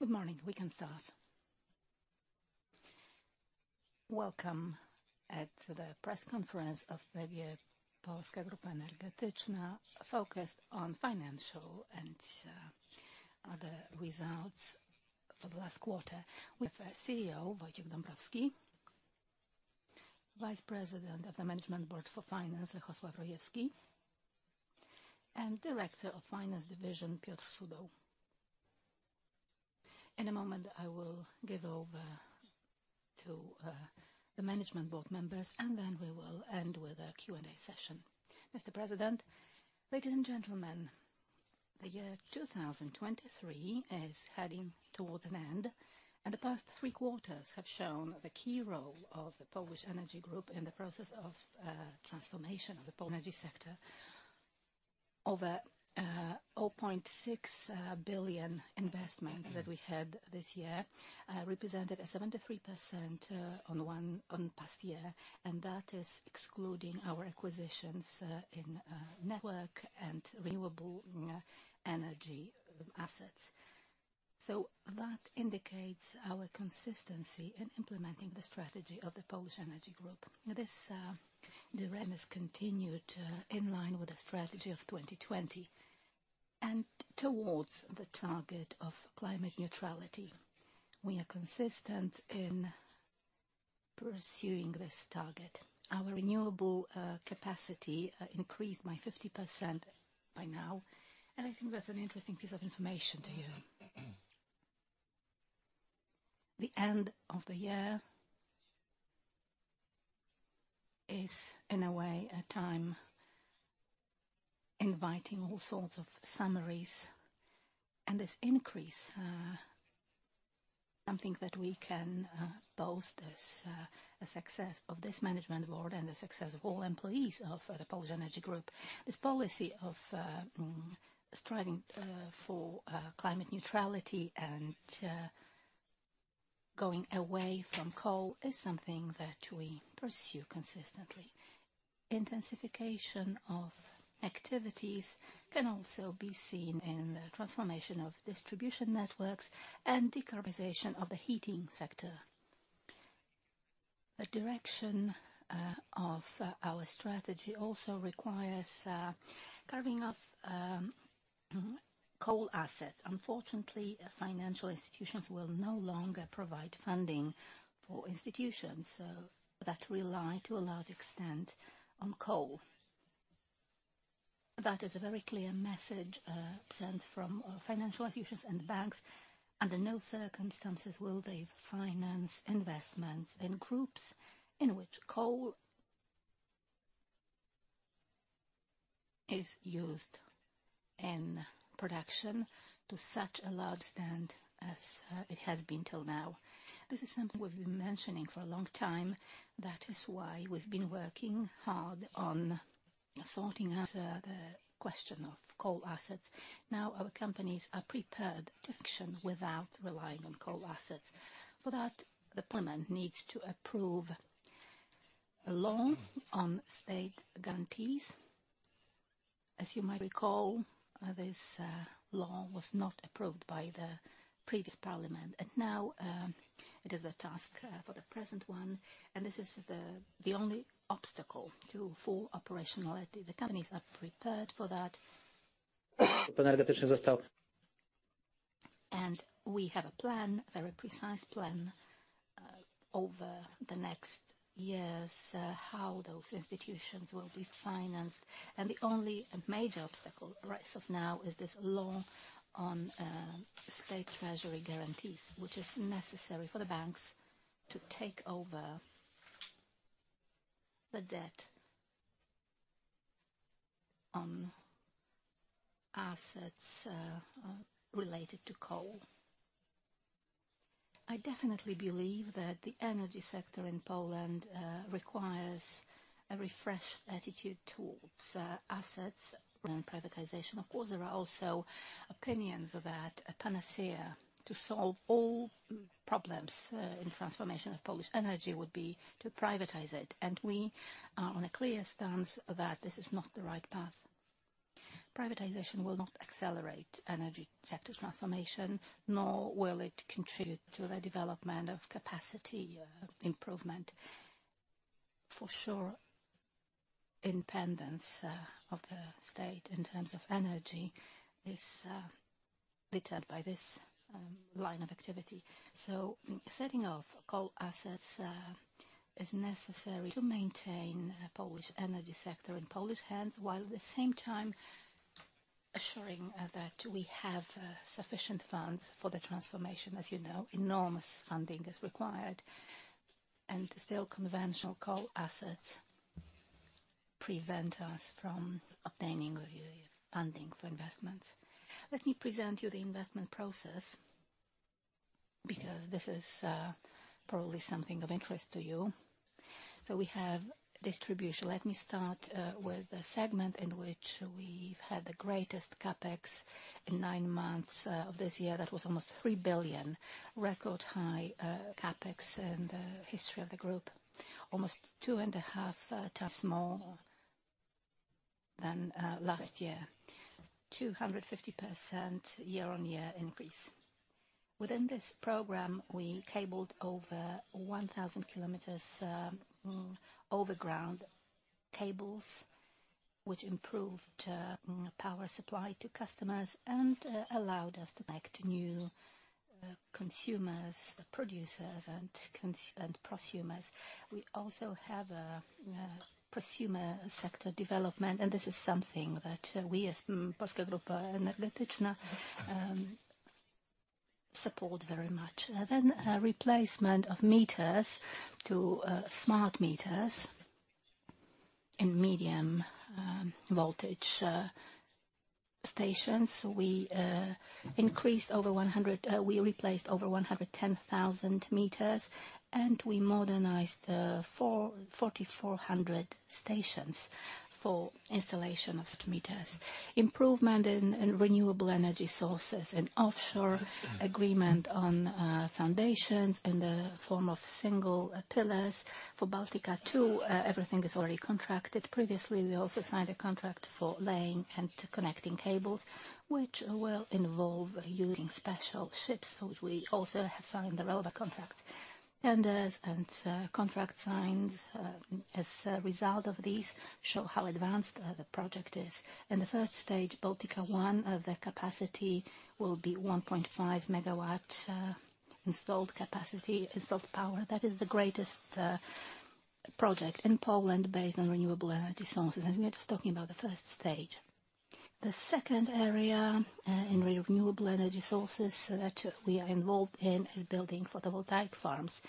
Good morning, we can start. Welcome at the press conference of PGE Polska Grupa Energetyczna, focused on financial and other results for the last quarter with our CEO, Wojciech Dąbrowski, Vice President of the Management Board for Finance, Lechosław Rojewski, and Director of Finance Division, Piotr Sudoł. In a moment, I will give over to the management board members, and then we will end with a Q&A session. Mr. President, ladies and gentlemen, the year 2023 is heading towards an end, and the past three quarters have shown the key role of the Polish Energy Group in the process of transformation of the Polish energy sector. Over 0.6 billion investments that we had this year represented a 73% on past year, and that is excluding our acquisitions in network and renewable energy assets. So that indicates our consistency in implementing the strategy of the Polish Energy Group. This trend has continued in line with the strategy of 2020, and towards the target of climate neutrality. We are consistent in pursuing this target. Our renewable capacity increased by 50% by now, and I think that's an interesting piece of information to you. The end of the year is, in a way, a time inviting all sorts of summaries, and this increase something that we can boast as a success of this management board and the success of all employees of the Polish Energy Group. This policy of striving for climate neutrality and going away from coal is something that we pursue consistently. Intensification of activities can also be seen in the transformation of distribution networks and decarbonization of the heating sector. The direction of our strategy also requires carving off coal assets. Unfortunately, financial institutions will no longer provide funding for institutions that rely to a large extent on coal. That is a very clear message sent from financial institutions and banks. Under no circumstances will they finance investments in groups in which coal is used in production to such a large extent as it has been till now. This is something we've been mentioning for a long time. That is why we've been working hard on sorting out the question of coal assets. Now, our companies are prepared to function without relying on coal assets. For that, the parliament needs to approve a law on state guarantees. As you might recall, this law was not approved by the previous parliament, and now, it is a task for the present one, and this is the only obstacle to full operationality. The companies are prepared for that. And we have a plan, a very precise plan, over the next years, how those institutions will be financed. And the only major obstacle right now is this law on state treasury guarantees, which is necessary for the banks to take over the debt on assets related to coal. I definitely believe that the energy sector in Poland requires a refreshed attitude towards assets around privatization. Of course, there are also opinions that a panacea to solve all problems in transformation of Polish energy would be to privatize it, and we are on a clear stance that this is not the right path. Privatization will not accelerate energy sector transformation, nor will it contribute to the development of capacity improvement. For sure, independence of the state in terms of energy is deterred by this line of activity. So setting off coal assets is necessary to maintain Polish energy sector in Polish hands, while at the same time assuring that we have sufficient funds for the transformation. As you know, enormous funding is required, and still conventional coal assets prevent us from obtaining the funding for investments. Let me present you the investment process, because this is probably something of interest to you. We have distribution. Let me start with the segment in which we've had the greatest CapEx in nine months of this year. That was almost 3 billion, record high CapEx in the history of the group. Almost 2.5 times more than last year. 250% year-on-year increase. Within this program, we cabled over 1,000 kilometers overground cables, which improved power supply to customers, and allowed us to connect new consumers, producers, and prosumers. We also have a prosumer sector development, and this is something that we as Polska Grupa Energetyczna support very much. Then, replacement of meters to smart meters in medium voltage stations. We increased over 100, we replaced over 110,000 meters, and we modernized 4,400 stations for installation of smart meters. Improvement in renewable energy sources and offshore agreement on foundations in the form of single pillars. For Baltica 2, everything is already contracted. Previously, we also signed a contract for laying and connecting cables, which will involve using special ships, which we also have signed the relevant contracts. Tenders and contract signings, as a result of these, show how advanced the project is. In the first stage, Baltica 1, the capacity will be 1.5 MW installed capacity, installed power. That is the greatest project in Poland, based on renewable energy sources, and we are just talking about the first stage. The second area in renewable energy sources that we are involved in is building photovoltaic farms.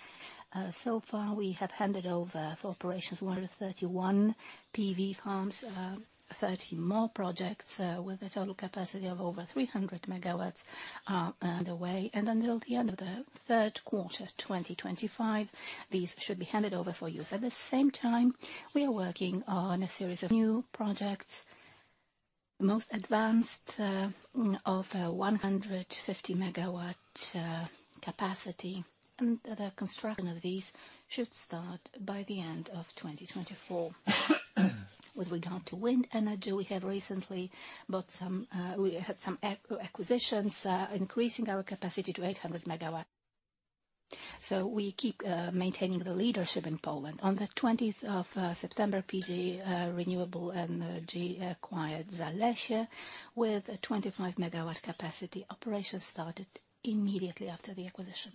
So far, we have handed over for operations 131 PV farms, 30 more projects with a total capacity of over 300 MW are underway, and until the end of the third quarter, 2025, these should be handed over for use. At the same time, we are working on a series of new projects, most advanced over 150 MW capacity, and the construction of these should start by the end of 2024. With regard to wind energy, we have recently bought some, we had some acquisitions increasing our capacity to 800 MW. So we keep maintaining the leadership in Poland. On the twentieth of September, PGE Renewable Energy acquired Zalesie, with a 25 MW capacity. Operations started immediately after the acquisition.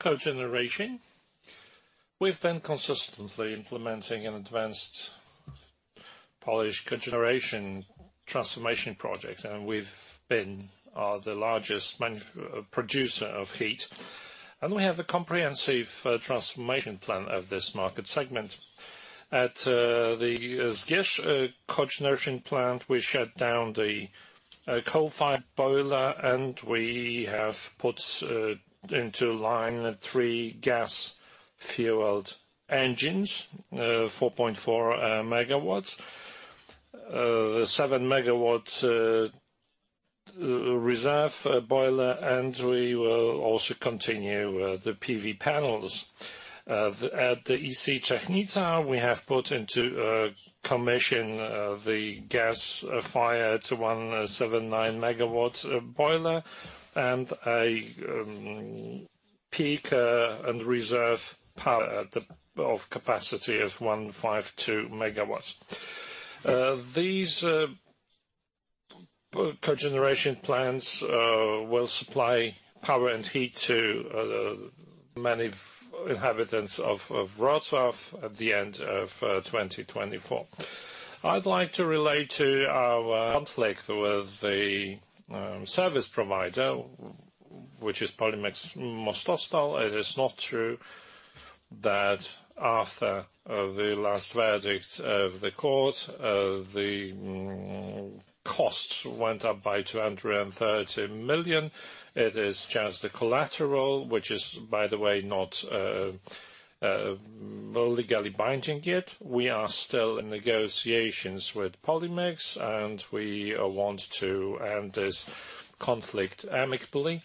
Cogeneration. We've been consistently implementing an advanced Polish cogeneration transformation project, and we've been the largest producer of heat, and we have a comprehensive transformation plan of this market segment. At the Zgierz cogeneration plant, we shut down the coal-fired boiler, and we have put into line three gas-fueled engines, 4.4 MW. 7 MW reserve boiler, and we will also continue the PV panels. At the EC Czechnica, we have put into commission the gas-fired 179 MW boiler, and a peak and reserve power of capacity of 152 MW. These cogeneration plants will supply power and heat to many inhabitants of Wrocław at the end of 2024. I'd like to relate to our conflict with the service provider, which is Polimex Mostostal. It is not true that after the last verdict of the court, the costs went up by 230 million. It is just the collateral, which is, by the way, not legally binding yet. We are still in negotiations with Polimex, and we want to end this conflict amicably.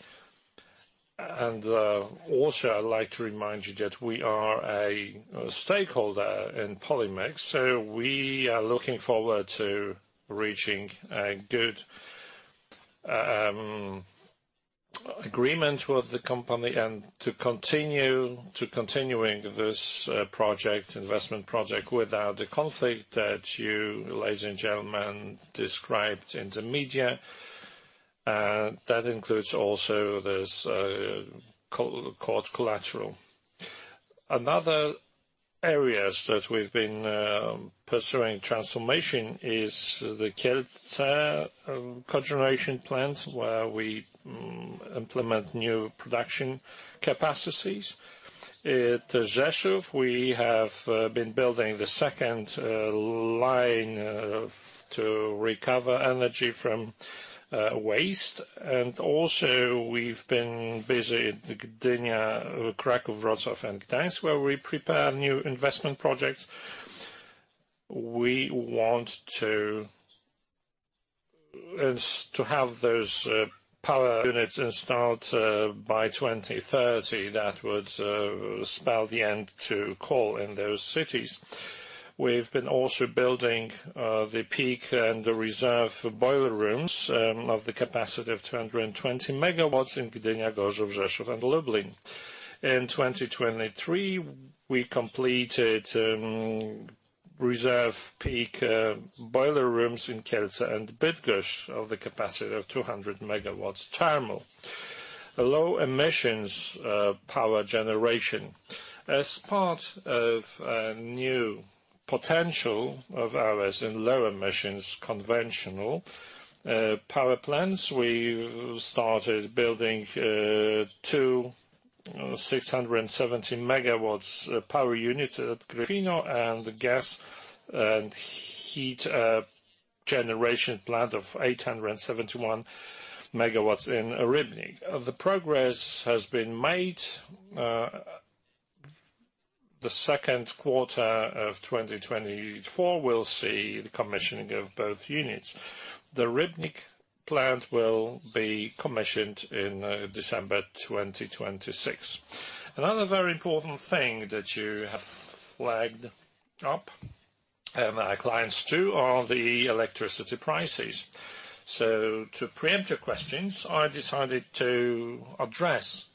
Also, I'd like to remind you that we are a stakeholder in Polimex, so we are looking forward to reaching a good agreement with the company and to continuing this project, investment project, without the conflict that you, ladies and gentlemen, described in the media. That includes also this court collateral. Another area that we've been pursuing transformation is the Kielce cogeneration plant, where we implement new production capacities. At Rzeszów, we have been building the second line to recover energy from waste. Also, we've been busy in the Gdynia, Kraków, Wrocław, and Gdańsk, where we prepare new investment projects. We want to have those power units installed by 2030, that would spell the end to coal in those cities. We've been also building the peak and the reserve boiler rooms of the capacity of 220 MW in Gdynia, Gorzów, Rzeszów, and Lublin. In 2023, we completed reserve peak boiler rooms in Kielce and Bydgoszcz of the capacity of 200 MW thermal. Low-emissions power generation. As part of a new potential of ours in low emissions, conventional, power plants, we've started building, two 617-MW power units at Gryfino, and the gas and heat, generation plant of 871 MW in Rybnik. The progress has been made, the second quarter of 2024 will see the commissioning of both units. The Rybnik plant will be commissioned in, December 2026. Another very important thing that you have flagged up, and our clients, too, are the electricity prices. So to preempt your questions, I decided to address, the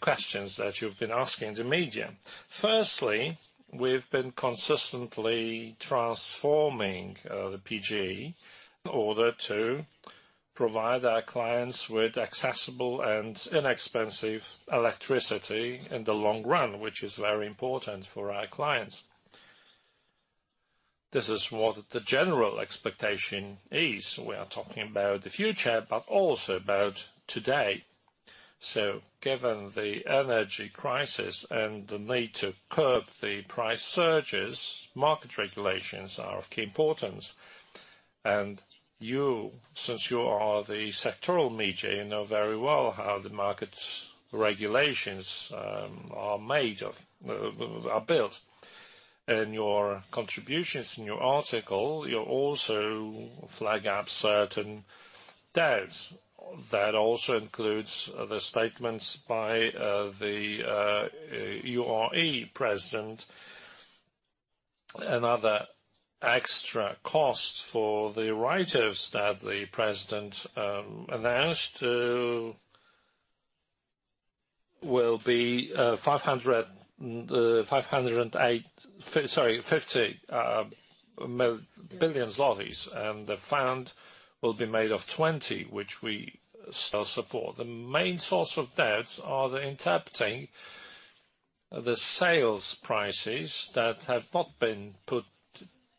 questions that you've been asking in the media. Firstly, we've been consistently transforming, the PGE in order to provide our clients with accessible and inexpensive electricity in the long run, which is very important for our clients. This is what the general expectation is. We are talking about the future, but also about today. So given the energy crisis and the need to curb the price surges, market regulations are of key importance. And you, since you are the sectoral media, you know very well how the markets regulations are built. In your contributions, in your article, you also flag up certain doubts. That also includes the statements by the URE president. Another extra cost for the writers that the president announced to will be 500, 508, fi- sorry, 50 billion zlotys, and the fund will be made of 20, which we still support. The main source of debts are interpreting the sales prices that have not been put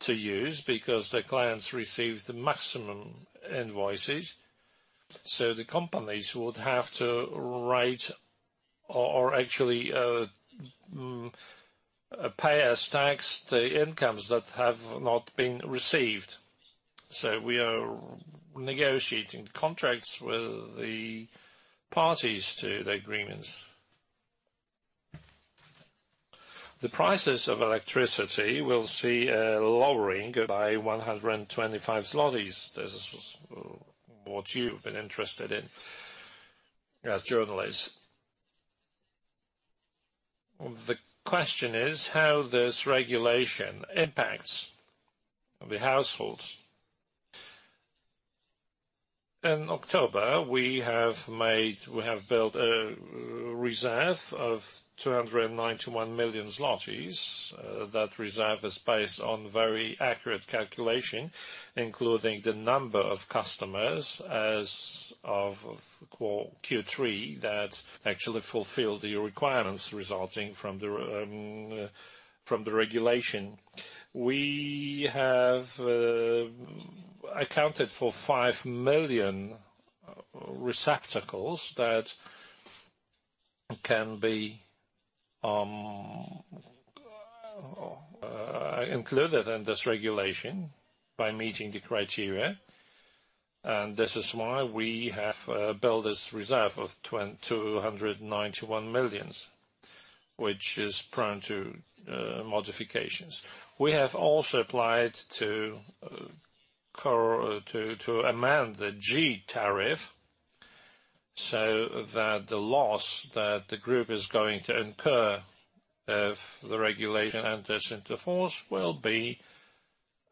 to use because the clients received the maximum invoices, so the companies would have to write or actually pay as tax, the incomes that have not been received. So we are negotiating contracts with the parties to the agreements. The prices of electricity will see a lowering by 125 zlotys. This is what you've been interested in as journalists. The question is, how this regulation impacts the households? In October, we have made, we have built a reserve of 291 million zlotys. That reserve is based on very accurate calculation, including the number of customers as of Q3, that actually fulfill the requirements resulting from the regulation. We have accounted for 5 million receptacles that can be included in this regulation by meeting the criteria, and this is why we have built this reserve of 291 million, which is prone to modifications. We have also applied to amend the G tariff, so that the loss that the group is going to incur if the regulation enters into force, will be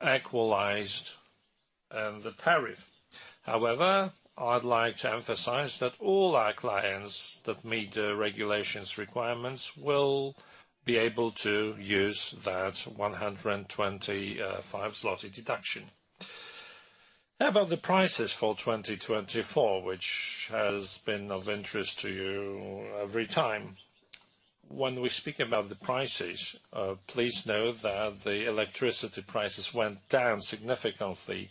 equalized in the tariff. However, I'd like to emphasize that all our clients that meet the regulation's requirements, will be able to use that 125 zloty deduction. Now, about the prices for 2024, which has been of interest to you every time. When we speak about the prices, please know that the electricity prices went down significantly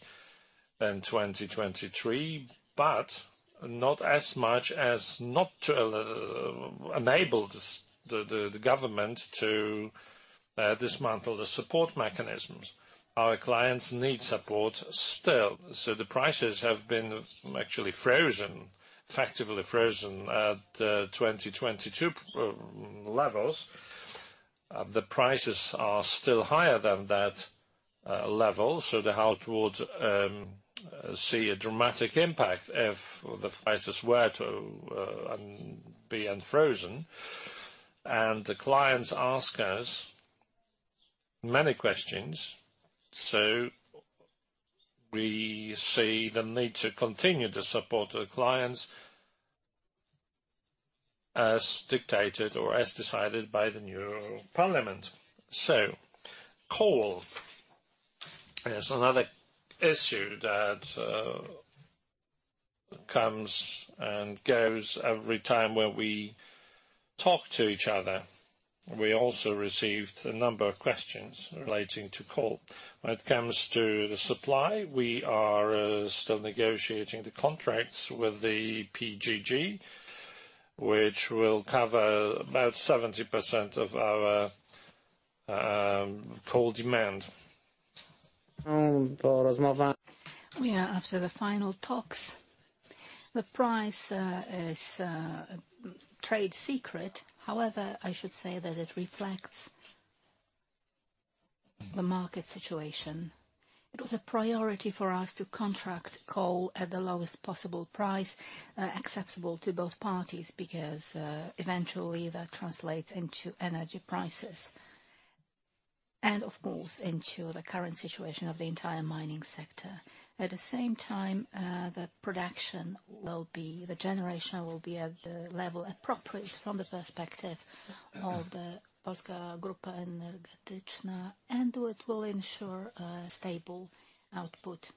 in 2023, but not as much as not to enable the government to dismantle the support mechanisms. Our clients need support still, so the prices have been actually frozen, effectively frozen at 2022 levels. The prices are still higher than that level, so the household see a dramatic impact if the prices were to be unfrozen. And the clients ask us many questions, so we see the need to continue to support the clients as dictated or as decided by the new parliament. So coal is another issue that comes and goes every time when we talk to each other. We also received a number of questions relating to coal. When it comes to the supply, we are still negotiating the contracts with the PGG, which will cover about 70% of our coal demand. Yeah, after the final talks, the price is trade secret. However, I should say that it reflects the market situation. It was a priority for us to contract coal at the lowest possible price acceptable to both parties, because eventually, that translates into energy prices and of course, into the current situation of the entire mining sector. At the same time, the production will be—the generation will be at the level appropriate from the perspective of the Polska Grupa Energetyczna, and it will ensure a stable output.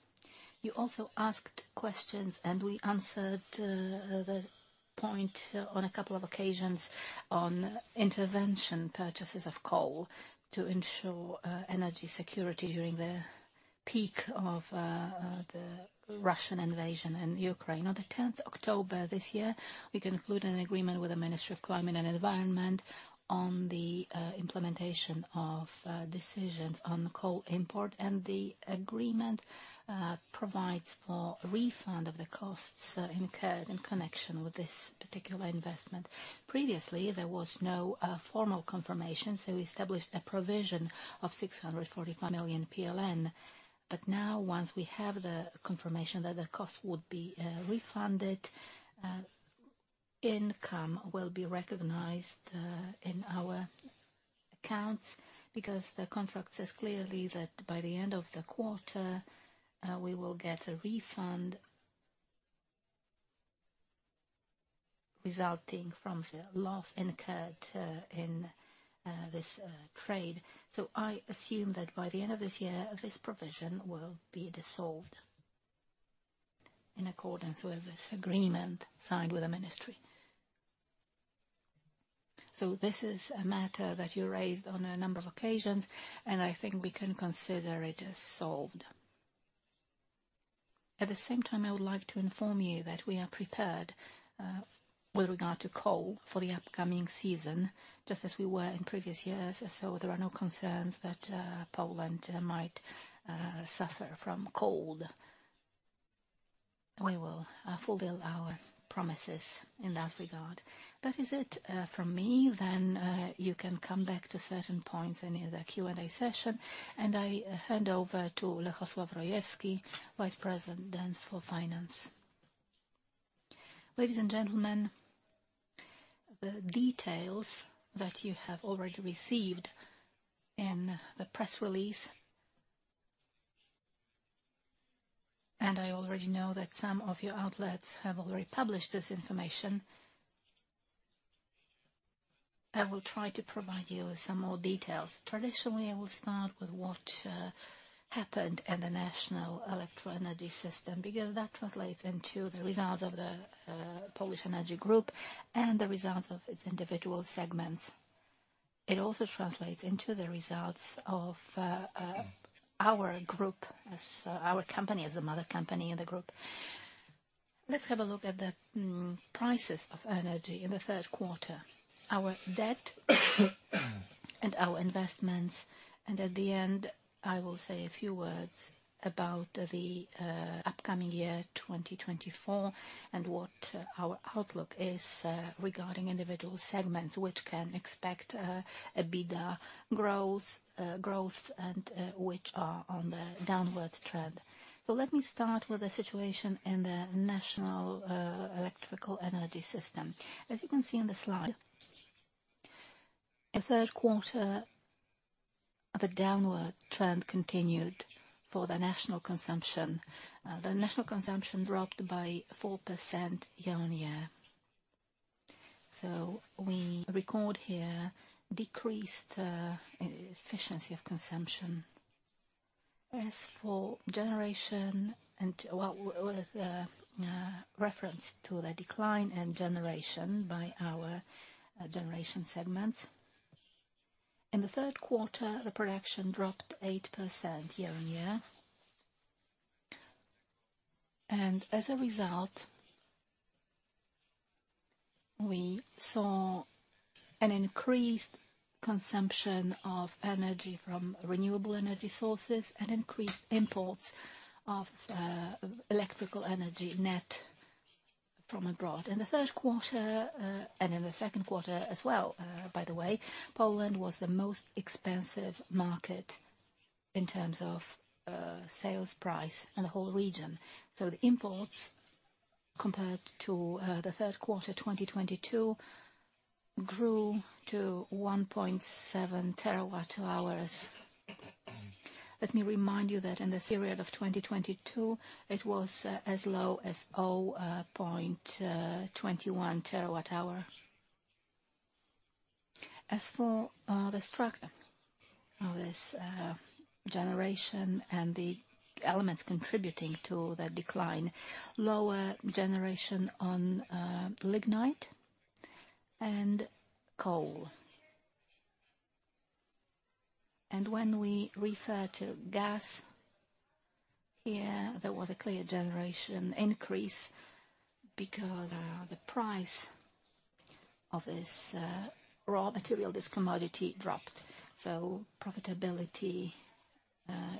You also asked questions, and we answered the point on a couple of occasions on intervention purchases of coal to ensure energy security during the peak of the Russian invasion in Ukraine. On the 10th October this year, we concluded an agreement with the Ministry of Climate and Environment on the implementation of decisions on coal import, and the agreement provides for refund of the costs incurred in connection with this particular investment. Previously, there was no formal confirmation, so we established a provision of 645 million PLN. But now, once we have the confirmation that the cost would be refunded, income will be recognized in our accounts, because the contract says clearly that by the end of the quarter, we will get a refund resulting from the loss incurred in this trade. So I assume that by the end of this year, this provision will be dissolved in accordance with this agreement signed with the ministry. So this is a matter that you raised on a number of occasions, and I think we can consider it as solved. At the same time, I would like to inform you that we are prepared with regard to coal for the upcoming season, just as we were in previous years, so there are no concerns that Poland might suffer from cold. We will fulfill our promises in that regard. That is it from me. Then you can come back to certain points in the Q&A session, and I hand over to Lechosław Rojewski, Vice President for Finance. Ladies and gentlemen, the details that you have already received in the press release, and I already know that some of your outlets have already published this information. I will try to provide you with some more details. Traditionally, I will start with what happened in the national electrical energy system, because that translates into the results of the Polish Energy Group and the results of its individual segments. It also translates into the results of our group, as our company, as the mother company in the group. Let's have a look at the prices of energy in the third quarter, our debt, and our investments, and at the end, I will say a few words about the upcoming year, 2024, and what our outlook is regarding individual segments, which can expect a better growth, growth, and which are on the downward trend. So let me start with the situation in the national electrical energy system. As you can see in the slide, in the third quarter, the downward trend continued for the national consumption. The national consumption dropped by 4% year-on-year. So we record here decreased efficiency of consumption. As for generation and well, with reference to the decline in generation by our generation segments, in the third quarter, the production dropped 8% year-on-year. And as a result, we saw an increased consumption of energy from renewable energy sources and increased imports of electrical energy net from abroad. In the third quarter and in the second quarter as well, by the way, Poland was the most expensive market in terms of sales price in the whole region. So the imports, compared to the third quarter, 2022, grew to 1.7 TWh. Let me remind you that in the period of 2022, it was as low as 0.21 TWh. As for the structure of this generation and the elements contributing to the decline, lower generation on lignite and coal. When we refer to gas, here, there was a clear generation increase because the price of this raw material, this commodity, dropped, so profitability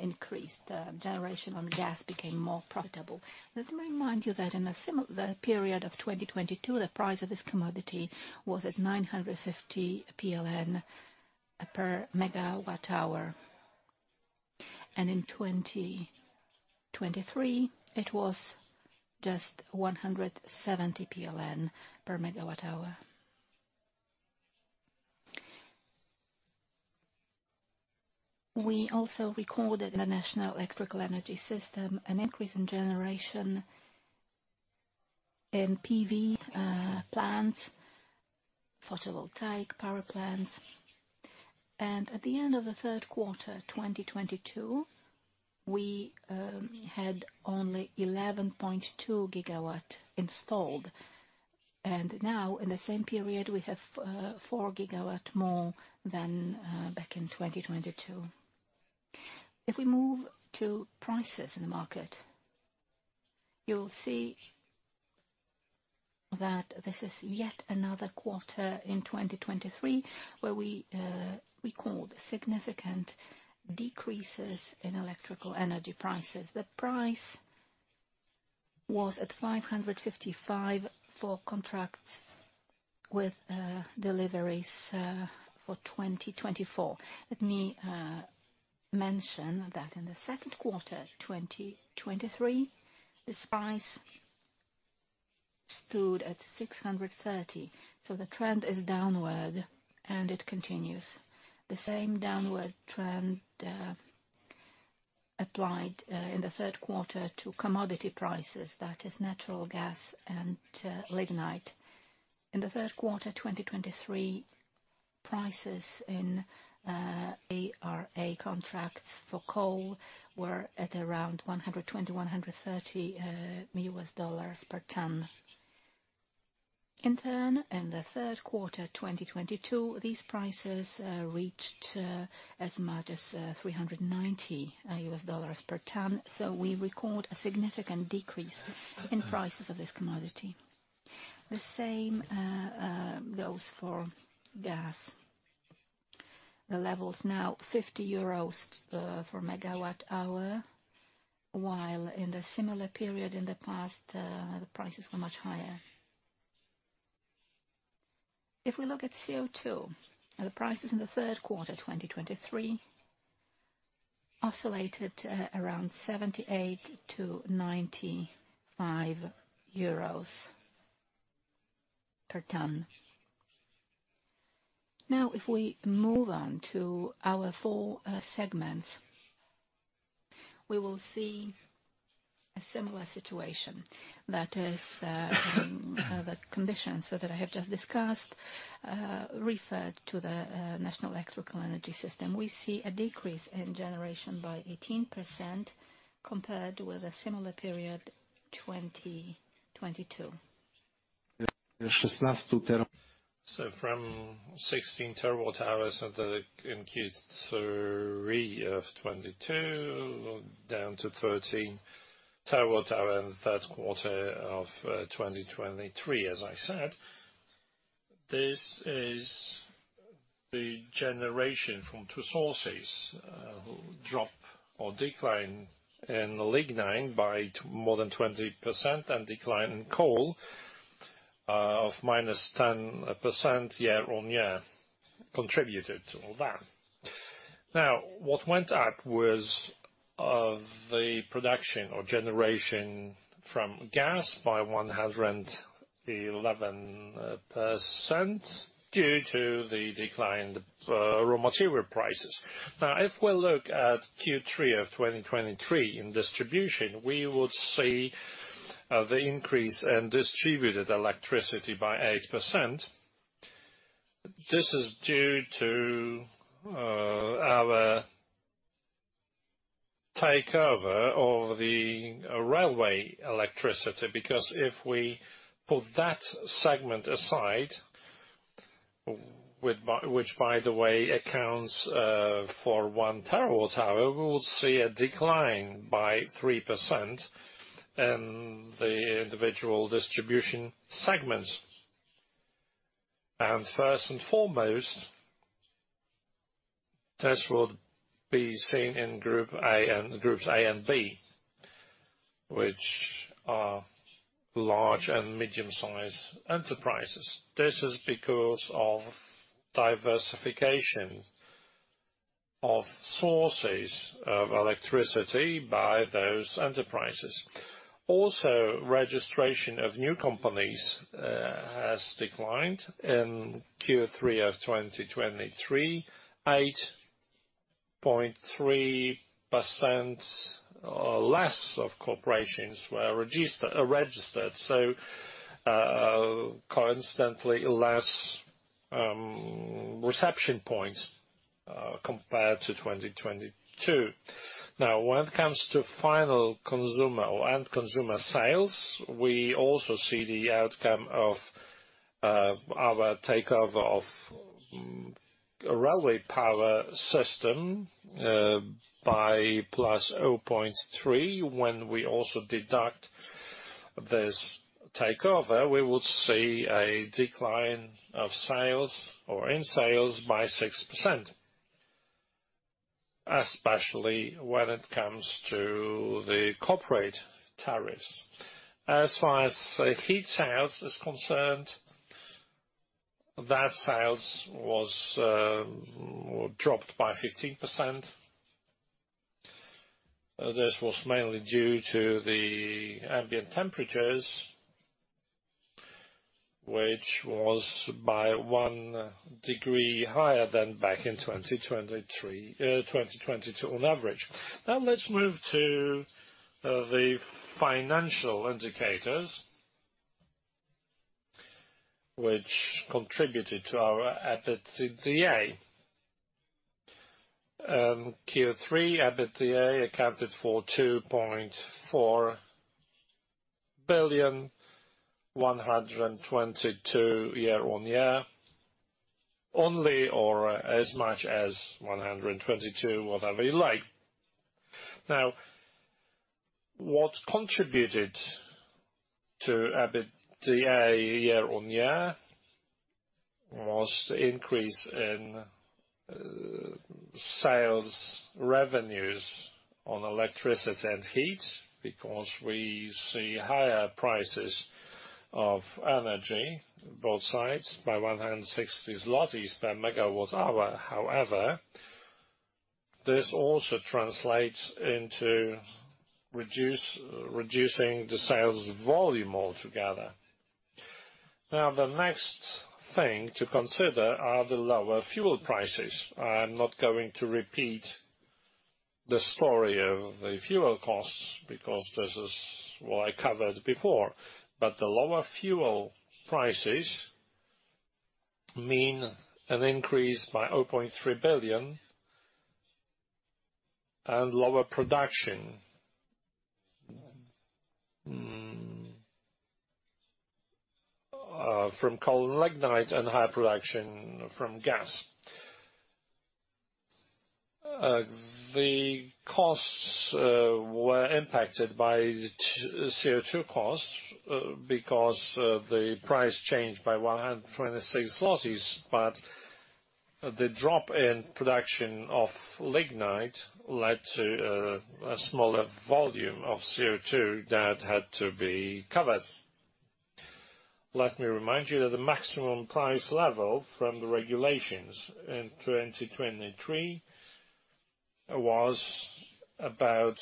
increased. Generation on gas became more profitable. Let me remind you that in the period of 2022, the price of this commodity was at 950 PLN per MWh, and in 2023, it was just 170 PLN per MWh. We also recorded in the national electrical energy system an increase in generation in PV plants, photovoltaic power plants. At the end of the third quarter 2022, we had only 11.2 GW installed, and now in the same period, we have 4 GW more than back in 2022. If we move to prices in the market, you'll see that this is yet another quarter in 2023, where we recorded significant decreases in electrical energy prices. The price was at 555 for contracts with deliveries for 2024. Let me mention that in the second quarter 2023, the price stood at 630. So the trend is downward, and it continues. The same downward trend applied in the third quarter to commodity prices, that is natural gas and lignite. In the third quarter, 2023, prices in ARA contracts for coal were at around $120-$130 per tonne. In turn, in the third quarter, 2022, these prices reached as much as $390 per tonne, so we record a significant decrease in prices of this commodity. The same goes for gas. The level is now 50 euros per MWh, while in the similar period in the past, the prices were much higher. If we look at CO₂, the prices in the third quarter, 2023, oscillated around 78-95 euros per tonne. Now, if we move on to our 4 segments, we will see a similar situation. That is, the conditions so that I have just discussed referred to the national electrical energy system. We see a decrease in generation by 18% compared with a similar period, 2022. So from 16 TWh in Q3 of 2022, down to 13 TWh in the third quarter of 2023, as I said. This is the generation from two sources, drop or decline in lignite by more than 20% and decline in coal of -10% year-on-year, contributed to all that. Now, what went up was, of the production or generation from gas by 111% due to the decline, raw material prices. Now, if we look at Q3 of 2023 in distribution, we would see, the increase in distributed electricity by 8%. This is due to our takeover of the railway electricity, because if we put that segment aside, which, by the way, accounts for 1 TWh, we will see a decline by 3% in the individual distribution segments. First and foremost, this would be seen in Groups A and B, which are large and medium-sized enterprises. This is because of diversification of sources of electricity by those enterprises. Also, registration of new companies has declined in Q3 of 2023, 8.3% or less of corporations were registered. So, constantly less reception points compared to 2022. Now, when it comes to final consumer or end consumer sales, we also see the outcome of our takeover of railway power system by +0.3. When we also deduct this takeover, we would see a decline of sales or in sales by 6%, especially when it comes to the corporate tariffs. As far as heat sales is concerned, that sales was dropped by 15%. This was mainly due to the ambient temperatures, which was by 1 degree higher than back in 2023, 2022 on average. Now, let's move to the financial indicators which contributed to our EBITDA. Q3 EBITDA accounted for 2.4 billion, 122% year-on-year, only, or as much as 122%, whatever you like. Now, what contributed to EBITDA year-on-year was the increase in sales revenues on electricity and heat, because we see higher prices of energy, both sides, by 160 zlotys per MWh. However, this also translates into reducing the sales volume altogether. Now, the next thing to consider are the lower fuel prices. I'm not going to repeat the story of the fuel costs, because this is what I covered before. But the lower fuel prices mean an increase by 0.3 billion and lower production from coal and lignite, and higher production from gas. The costs were impacted by the tCO₂ costs, because the price changed by 126 zlotys. But the drop in production of lignite led to a smaller volume of CO₂ that had to be covered. Let me remind you that the maximum price level from the regulations in 2023 was about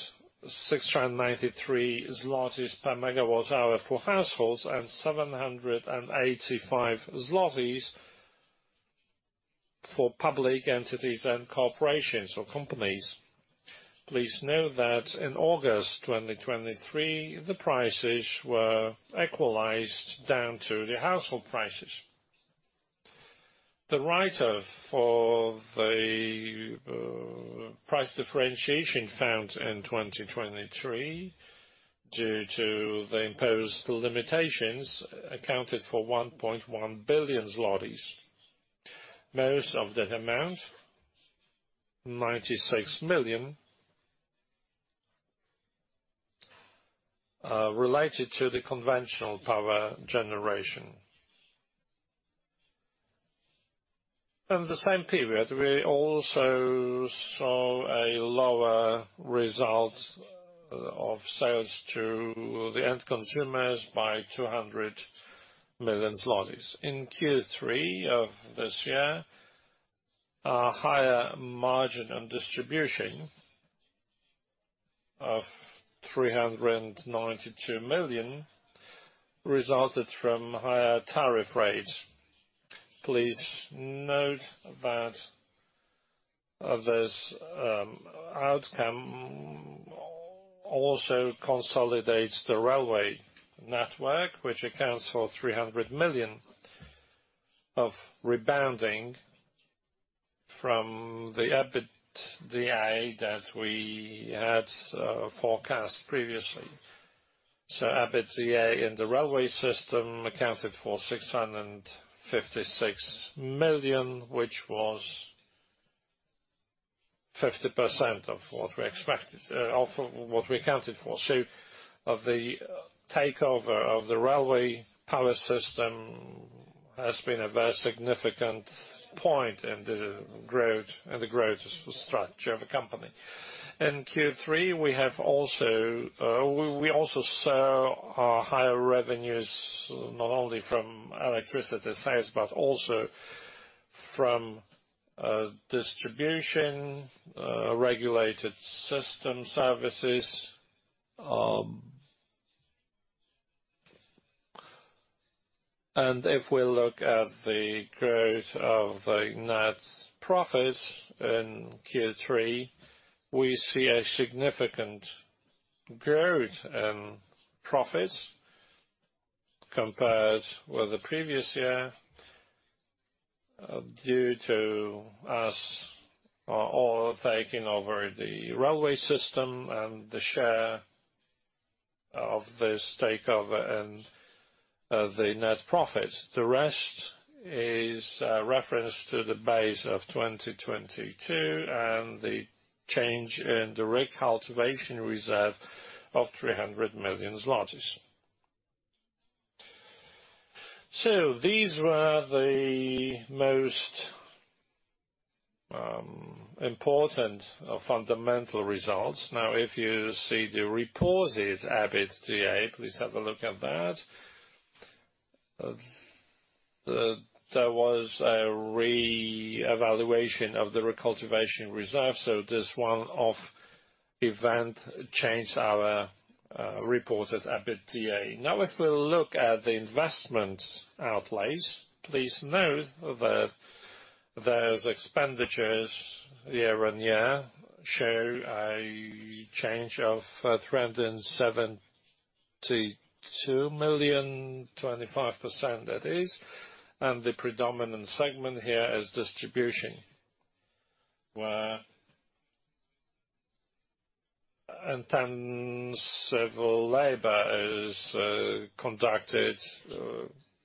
693 zlotys per MWh for households, and 785 zlotys for public entities and corporations or companies. Please note that in August 2023, the prices were equalized down to the household prices. The write-off for the price differentiation found in 2023, due to the imposed limitations, accounted for 1.1 billion zlotys. Most of that amount, 96 million, related to the conventional power generation. In the same period, we also saw a lower result of sales to the end consumers by 200 million zlotys. In Q3 of this year, a higher margin in distribution of 392 million resulted from higher tariff rates. Please note that this outcome also consolidates the railway network, which accounts for 300 million of rebounding from the EBITDA that we had forecast previously. So EBITDA in the railway system accounted for 656 million, which was 50% of what we expected of what we accounted for. So of the takeover of the railway power system has been a very significant point in the growth, in the growth structure of the company. In Q3, we have also, we also saw higher revenues, not only from electricity sales, but also from distribution, regulated system services. And if we look at the growth of the net profits in Q3, we see a significant growth in profits compared with the previous year, due to us all taking over the railway system and the share of this takeover and the net profits. The rest is reference to the base of 2022, and the change in the recultivation reserve of PLN 300 million. So these were the most important fundamental results. Now, if you see the reported EBITDA, please have a look at that. There was a re-evaluation of the recultivation reserve, so this one-off event changed our reported EBITDA. Now, if we look at the investment outlays, please note that those expenditures year-on-year show a change of 372 million, 25% that is, and the predominant segment here is distribution, where intense civil labor is conducted,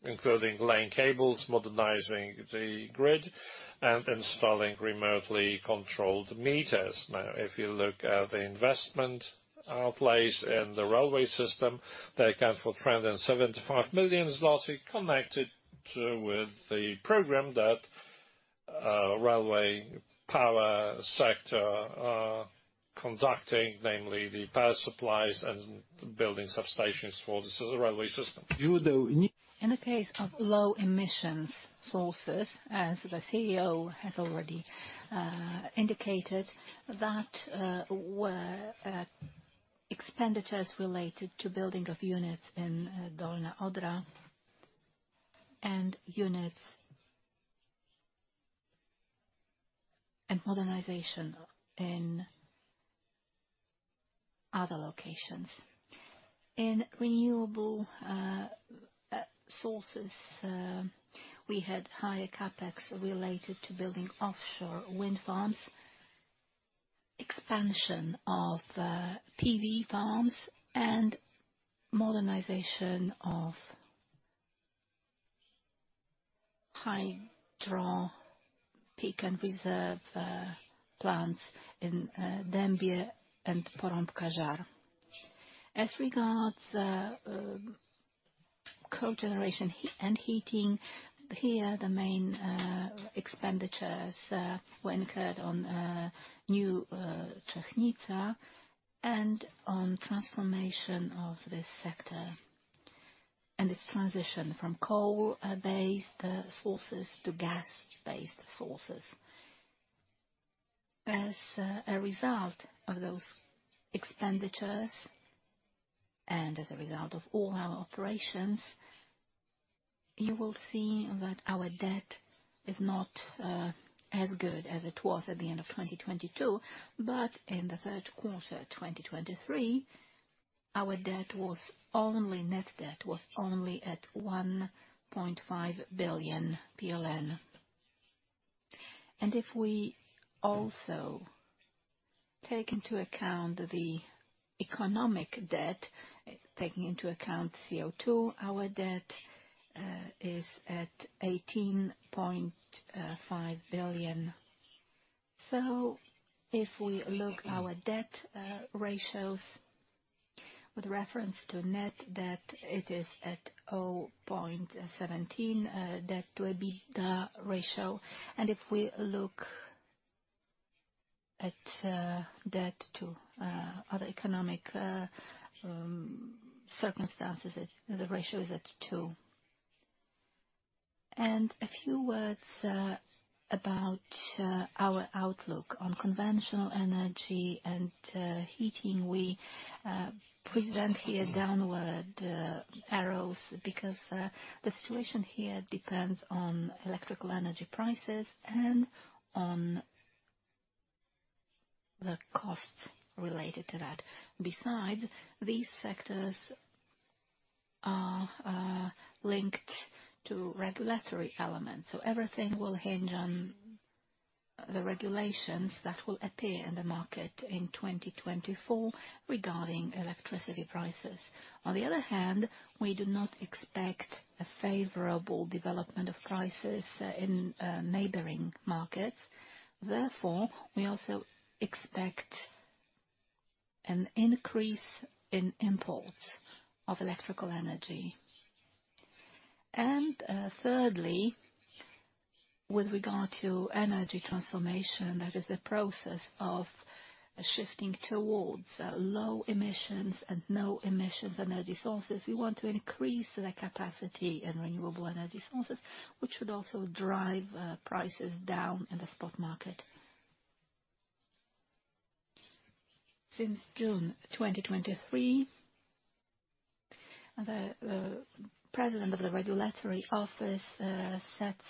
including laying cables, modernizing the grid, and installing remotely controlled meters. Now, if you look at the investment outlays in the railway system, they account for 375 million zloty, connected to with the program that railway power sector are conducting, namely the power supplies and building substations for this railway system. In the case of low emissions sources, as the CEO has already indicated, that were expenditures related to building of units in Dolna Odra and units and modernization in other locations. In renewable sources, we had higher CapEx related to building offshore wind farms, expansion of PV farms, and modernization of hydro peak and reserve plants in Dębe and Porąbka-Żar. As regards cogeneration heat and heating, here, the main expenditures were incurred on new Czechnica and on transformation of this sector, and its transition from coal-based sources to gas-based sources. As a result of those expenditures, and as a result of all our operations, you will see that our debt is not as good as it was at the end of 2022, but in the third quarter, 2023, our debt was only, net debt was only at 1.5 billion PLN. And if we also take into account the economic debt, taking into account CO₂, our debt is at 18.5 billion. So if we look our debt ratios, with reference to net debt, it is at 0.17 debt-to-EBITDA ratio. And if we look at debt to other economic circumstances, it, the ratio is at two. And a few words about our outlook on conventional energy and heating. We present here downward arrows, because the situation here depends on electrical energy prices and on the costs related to that. Besides, these sectors are linked to regulatory elements, so everything will hinge on the regulations that will appear in the market in 2024 regarding electricity prices. On the other hand, we do not expect a favorable development of prices in neighboring markets. Therefore, we also expect an increase in imports of electrical energy. And, thirdly, with regard to energy transformation, that is the process of shifting towards low emissions and no emissions energy sources. We want to increase the capacity and renewable energy sources, which should also drive prices down in the spot market. Since June 2023, the president of the regulatory office sets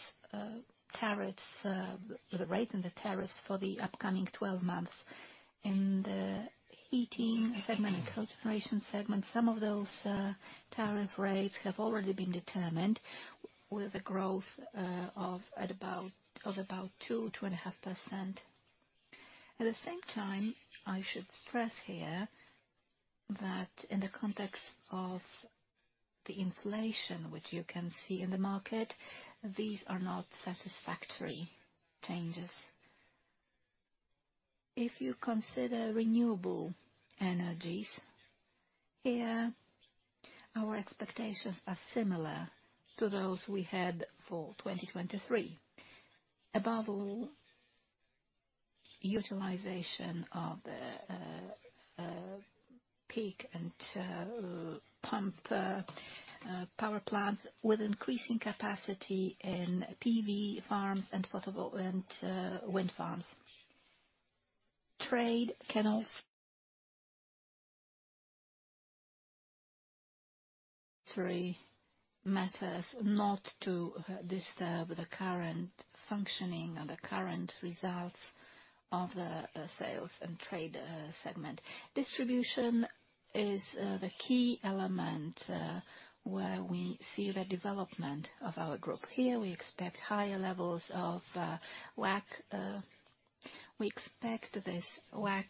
tariffs, the rate and the tariffs for the upcoming 12 months. In the heating segment and cogeneration segment, some of those tariff rates have already been determined with a growth of about 2-2.5%. At the same time, I should stress here that in the context of the inflation, which you can see in the market, these are not satisfactory changes. If you consider renewable energies, here, our expectations are similar to those we had for 2023. Above all, utilization of the peak and pumped power plants, with increasing capacity in PV farms and photovoltaic and wind farms. Trade can also. Three matters, not to disturb the current functioning and the current results of the sales and trade segment. Distribution is the key element where we see the development of our group. Here, we expect higher levels of WACC. We expect this WACC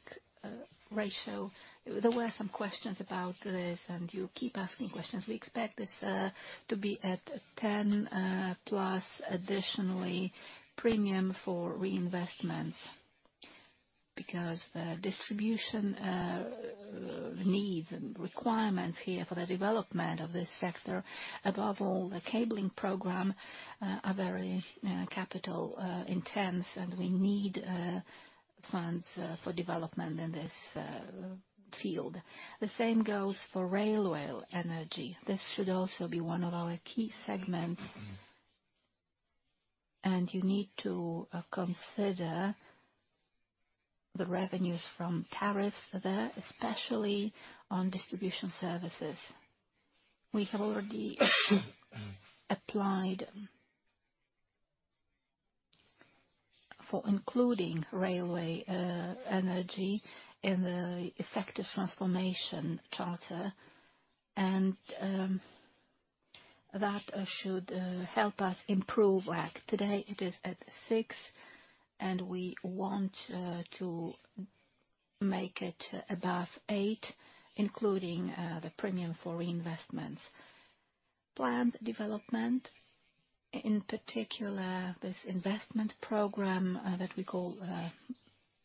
ratio—There were some questions about this, and you keep asking questions. We expect this to be at 10 plus additionally, premium for reinvestments. Because the distribution needs and requirements here for the development of this sector, above all, the cabling program, are very capital intense, and we need funds for development in this field. The same goes for railway energy. This should also be one of our key segments. And you need to consider the revenues from tariffs there, especially on distribution services. We have already applied for including railway energy in the effective transformation charter, and that should help us improve WACC. Today, it is at 6, and we want to make it above 8, including the premium for reinvestments. Plant development, in particular, this investment program that we call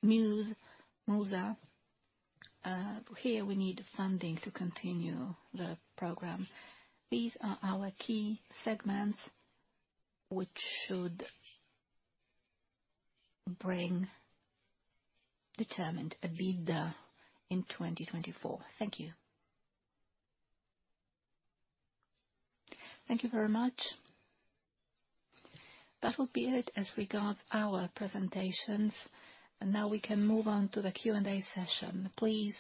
MUSE, Musa. Here, we need funding to continue the program. These are our key segments, which should bring determined EBITDA in 2024. Thank you. Thank you very much. That will be it as regards our presentations, and now we can move on to the Q&A session. Please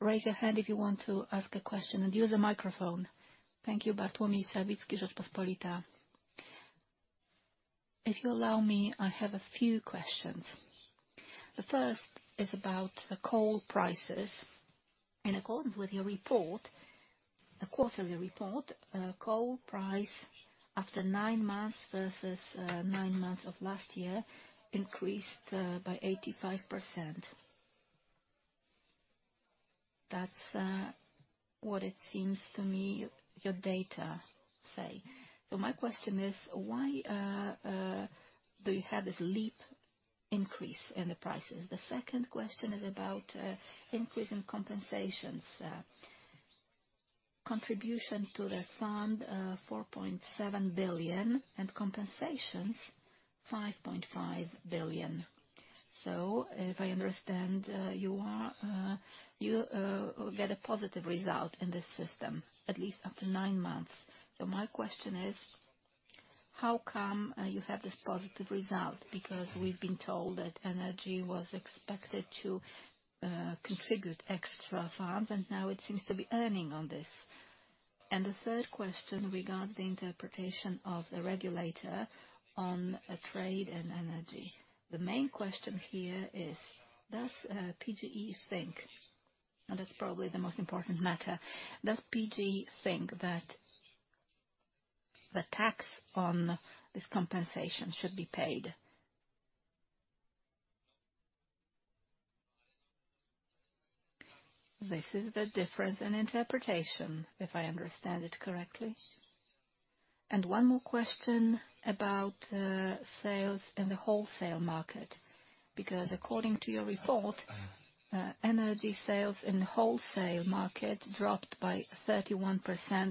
raise your hand if you want to ask a question, and use a microphone. Thank you, Bartłomiej Sawicki, Rzeczpospolita. If you allow me, I have a few questions. The first is about the coal prices. In accordance with your report, the quarterly report, coal price after 9 months versus 9 months of last year increased by 85%. That's what it seems to me, your data say. So my question is, why do you have this leap increase in the prices? The second question is about increase in compensations. Contribution to the fund, 4.7 billion, and compensations, 5.5 billion. So if I understand, you get a positive result in this system, at least after 9 months. So my question is, how come you have this positive result? Because we've been told that energy was expected to contribute extra funds, and now it seems to be earning on this. And the third question regards the interpretation of the regulator on trade and energy. The main question here is, does PGE think, and that's probably the most important matter, does PGE think that the tax on this compensation should be paid? This is the difference in interpretation, if I understand it correctly? And one more question about sales in the wholesale market, because according to your report, energy sales in the wholesale market dropped by 31%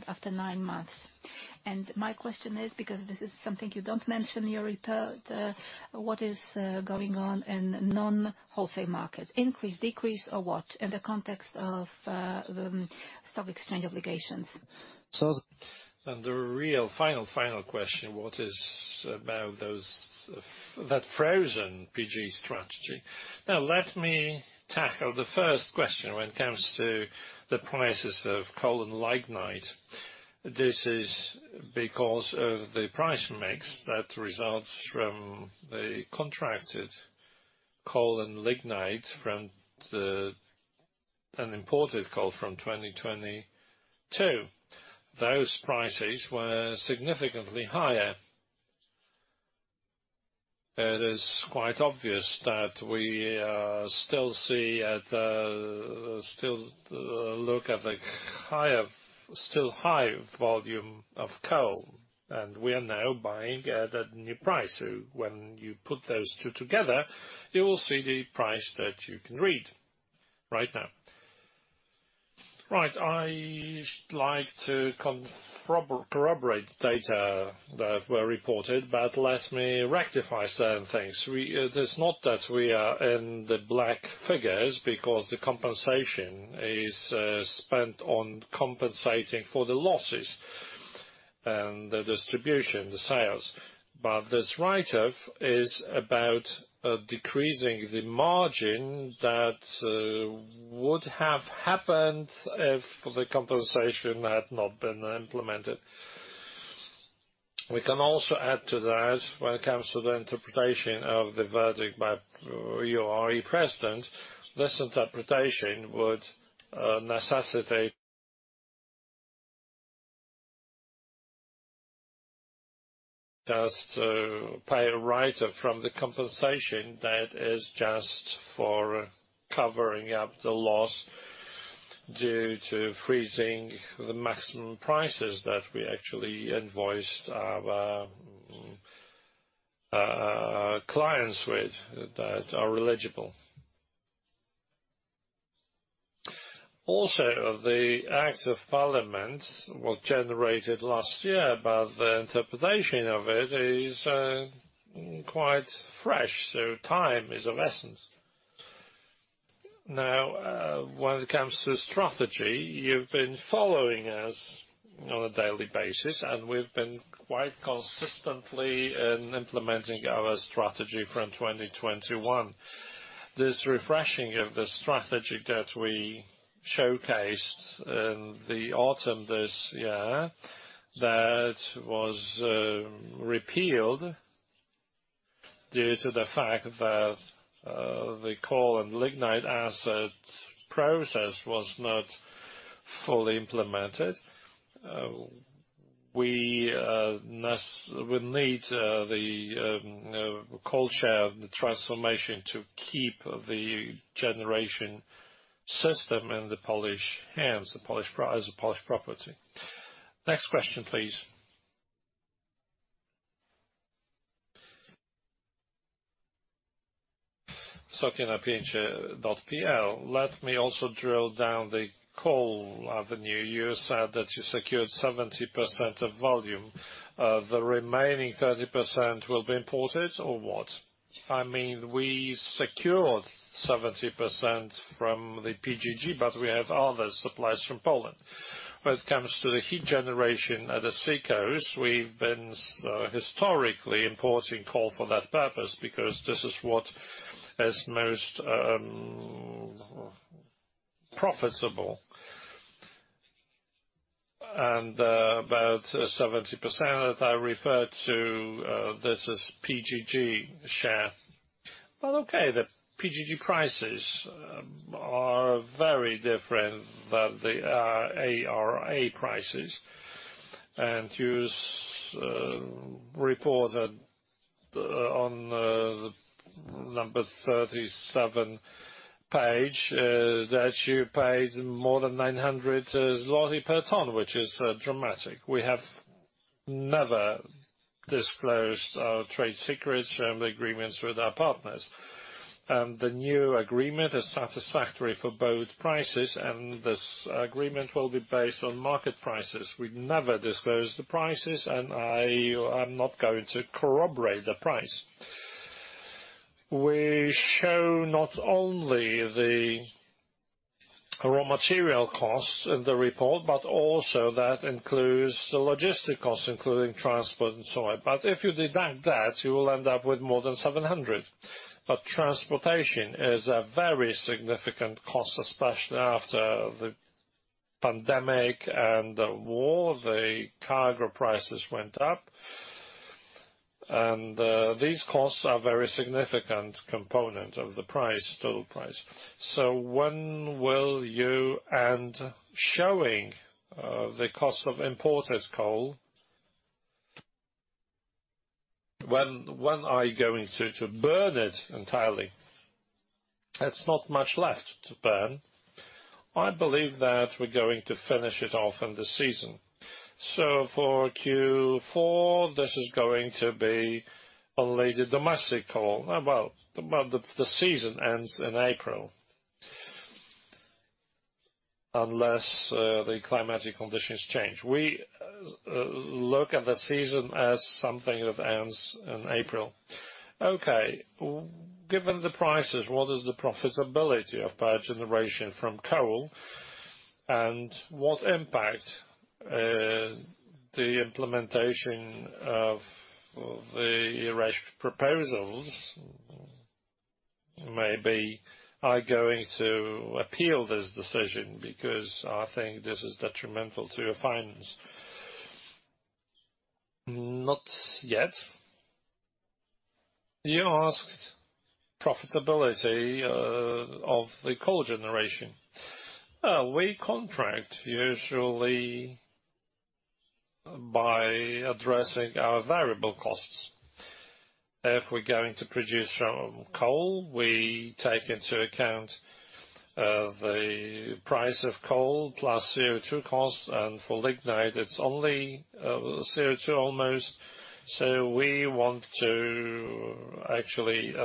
after nine months. And my question is, because this is something you don't mention in your report, what is going on in non-wholesale market? Increase, decrease, or what, in the context of the stock exchange obligations? The real final, final question, what is about those, that frozen PGG strategy? Now, let me tackle the first question when it comes to the prices of coal and lignite. This is because of the price mix that results from the contracted coal and lignite from the, an imported coal from 2022. Those prices were significantly higher. It is quite obvious that we still see at still look at the higher still high volume of coal, and we are now buying at a new price. So when you put those two together, you will see the price that you can read right now. Right, I'd like to corroborate data that were reported, but let me rectify certain things. It is not that we are in the black figures, because the compensation is spent on compensating for the losses and the distribution, the sales. But this write-off is about decreasing the margin that would have happened if the compensation had not been implemented. We can also add to that when it comes to the interpretation of the verdict by your president. This interpretation would necessitate just to pay a write-off from the compensation that is just for covering up the loss due to freezing the maximum prices that we actually invoiced our clients with, that are eligible. Also, the act of parliament was generated last year, but the interpretation of it is quite fresh, so time is of essence. Now, when it comes to strategy, you've been following us on a daily basis, and we've been quite consistently in implementing our strategy from 2021. This refreshing of the strategy that we showcased in the autumn this year, that was, repealed due to the fact that, the coal and lignite asset process was not fully implemented. We must, we need, the culture, the transformation to keep the generation system in the Polish hands, the Polish price, the Polish property. Next question, please. WysokieNapiecie.pl. Let me also drill down the coal avenue. You said that you secured 70% of volume. The remaining 30% will be imported, or what? I mean, we secured 70% from the PGG, but we have other suppliers from Poland. When it comes to the heat generation at the Sikors, we've been historically importing coal for that purpose, because this is what is most profitable. And about 70% that I referred to, this is PGG share. Well, okay, the PGG prices are very different than the ARA prices. And you report that on page 37 that you paid more than 900 zloty per ton, which is dramatic. We have never disclosed our trade secrets and the agreements with our partners. And the new agreement is satisfactory for both prices, and this agreement will be based on market prices. We've never disclosed the prices, and I am not going to corroborate the price. We show not only the raw material costs in the report, but also that includes the logistics costs, including transport and so on. But if you deduct that, you will end up with more than 700. But transportation is a very significant cost, especially after the pandemic and the war, the cargo prices went up. And, these costs are a very significant component of the price, total price. So when will you end showing, the cost of imported coal? When, when are you going to, to burn it entirely? That's not much left to burn. I believe that we're going to finish it off in the season. So for Q4, this is going to be only the domestic coal. Well, well, the, the season ends in April. Unless, the climatic conditions change. We, look at the season as something that ends in April. Okay, given the prices, what is the profitability of power generation from coal? What impact the implementation of the URE proposals maybe are going to appeal this decision? Because I think this is detrimental to your finance. Not yet. You asked profitability of the coal generation. We contract usually by addressing our variable costs. If we're going to produce from coal, we take into account the price of coal plus CO2 costs, and for lignite, it's only CO2 almost, so we want to actually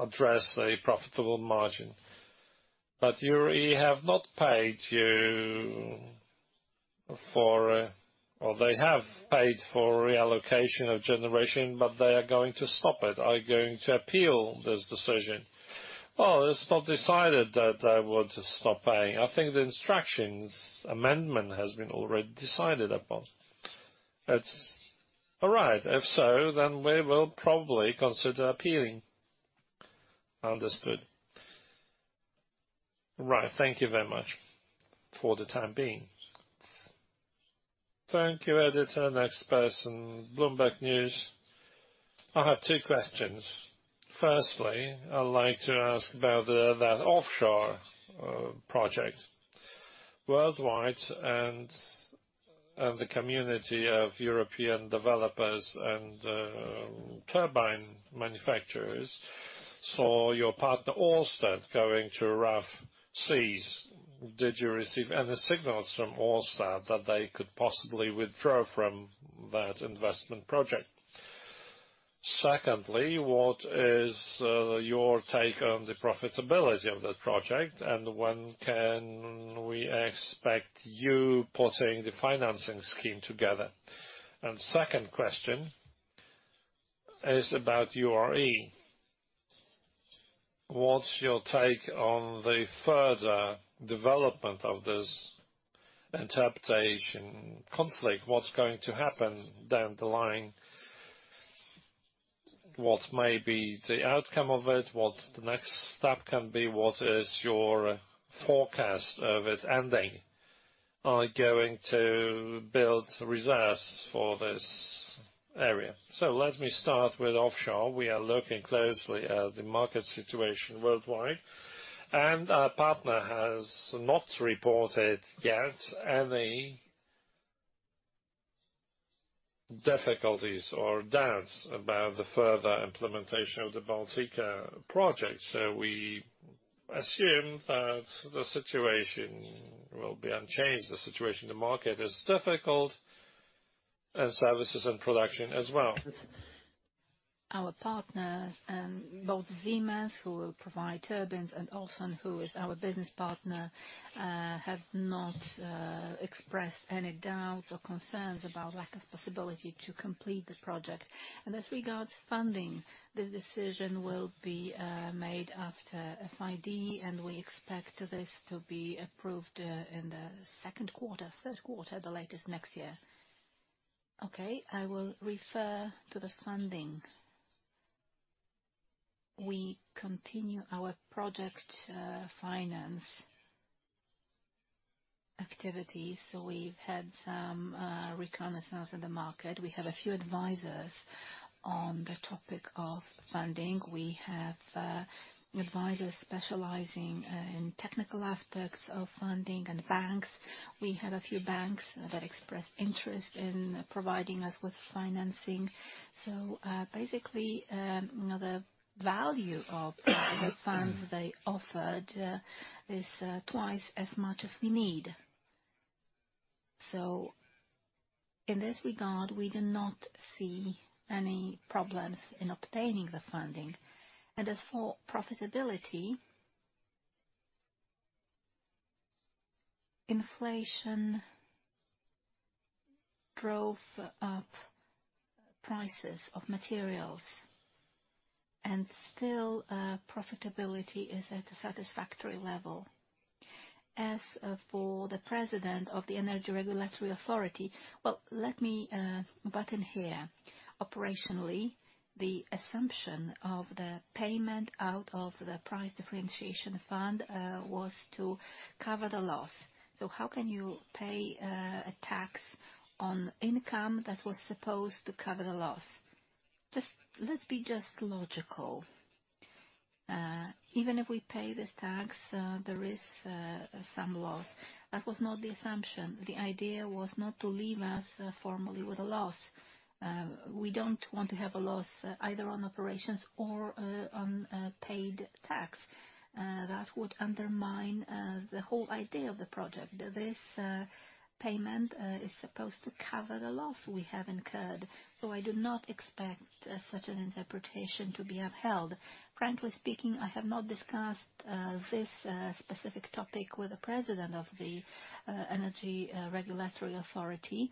address a profitable margin. But you really have not paid you for. Or they have paid for reallocation of generation, but they are going to stop it. Are you going to appeal this decision? Oh, it's not decided that I want to stop paying. I think the instructions amendment has been already decided upon. It's all right. If so, then we will probably consider appealing. Understood. Right. Thank you very much for the time being. Thank you, editor. Next person, Bloomberg News. I have two questions. Firstly, I'd like to ask about that offshore project. Worldwide, and the community of European developers and turbine manufacturers, saw your partner, Ørsted, going to rough seas. Did you receive any signals from Ørsted that they could possibly withdraw from that investment project? Secondly, what is your take on the profitability of that project, and when can we expect you putting the financing scheme together? And second question is about URE. What's your take on the further development of this interpretation conflict? What's going to happen down the line? What may be the outcome of it? What the next step can be? What is your forecast of it ending? Are you going to build reserves for this area? So let me start with offshore. We are looking closely at the market situation worldwide, and our partner has not reported yet any difficulties or doubts about the further implementation of the Baltica project, so we assume that the situation will be unchanged. The situation in the market is difficult, and services and production as well. Our partners, both Siemens, who will provide turbines, and Ørsted, who is our business partner, have not expressed any doubts or concerns about lack of possibility to complete the project. As regards funding, the decision will be made after FID, and we expect this to be approved in the second quarter, third quarter at the latest next year. Okay, I will refer to the funding. We continue our project finance activities, so we've had some reconnaissance in the market. We have a few advisors on the topic of funding. We have advisors specializing in technical aspects of funding and banks. We had a few banks that expressed interest in providing us with financing. So, basically, you know, the value of the funds they offered is twice as much as we need. So in this regard, we do not see any problems in obtaining the funding. And as for profitability, inflation drove up prices of materials, and still, profitability is at a satisfactory level. As for the president of the Energy Regulatory Authority, well, let me button here. Operationally, the assumption of the payment out of the price differentiation fund was to cover the loss. So how can you pay a tax on income that was supposed to cover the loss? Just, let's be just logical.. Even if we pay this tax, there is some loss. That was not the assumption. The idea was not to leave us formally with a loss. We don't want to have a loss, either on operations or on paid tax. That would undermine the whole idea of the project. This payment is supposed to cover the loss we have incurred, so I do not expect such an interpretation to be upheld. Frankly speaking, I have not discussed this specific topic with the president of the Energy Regulatory Authority.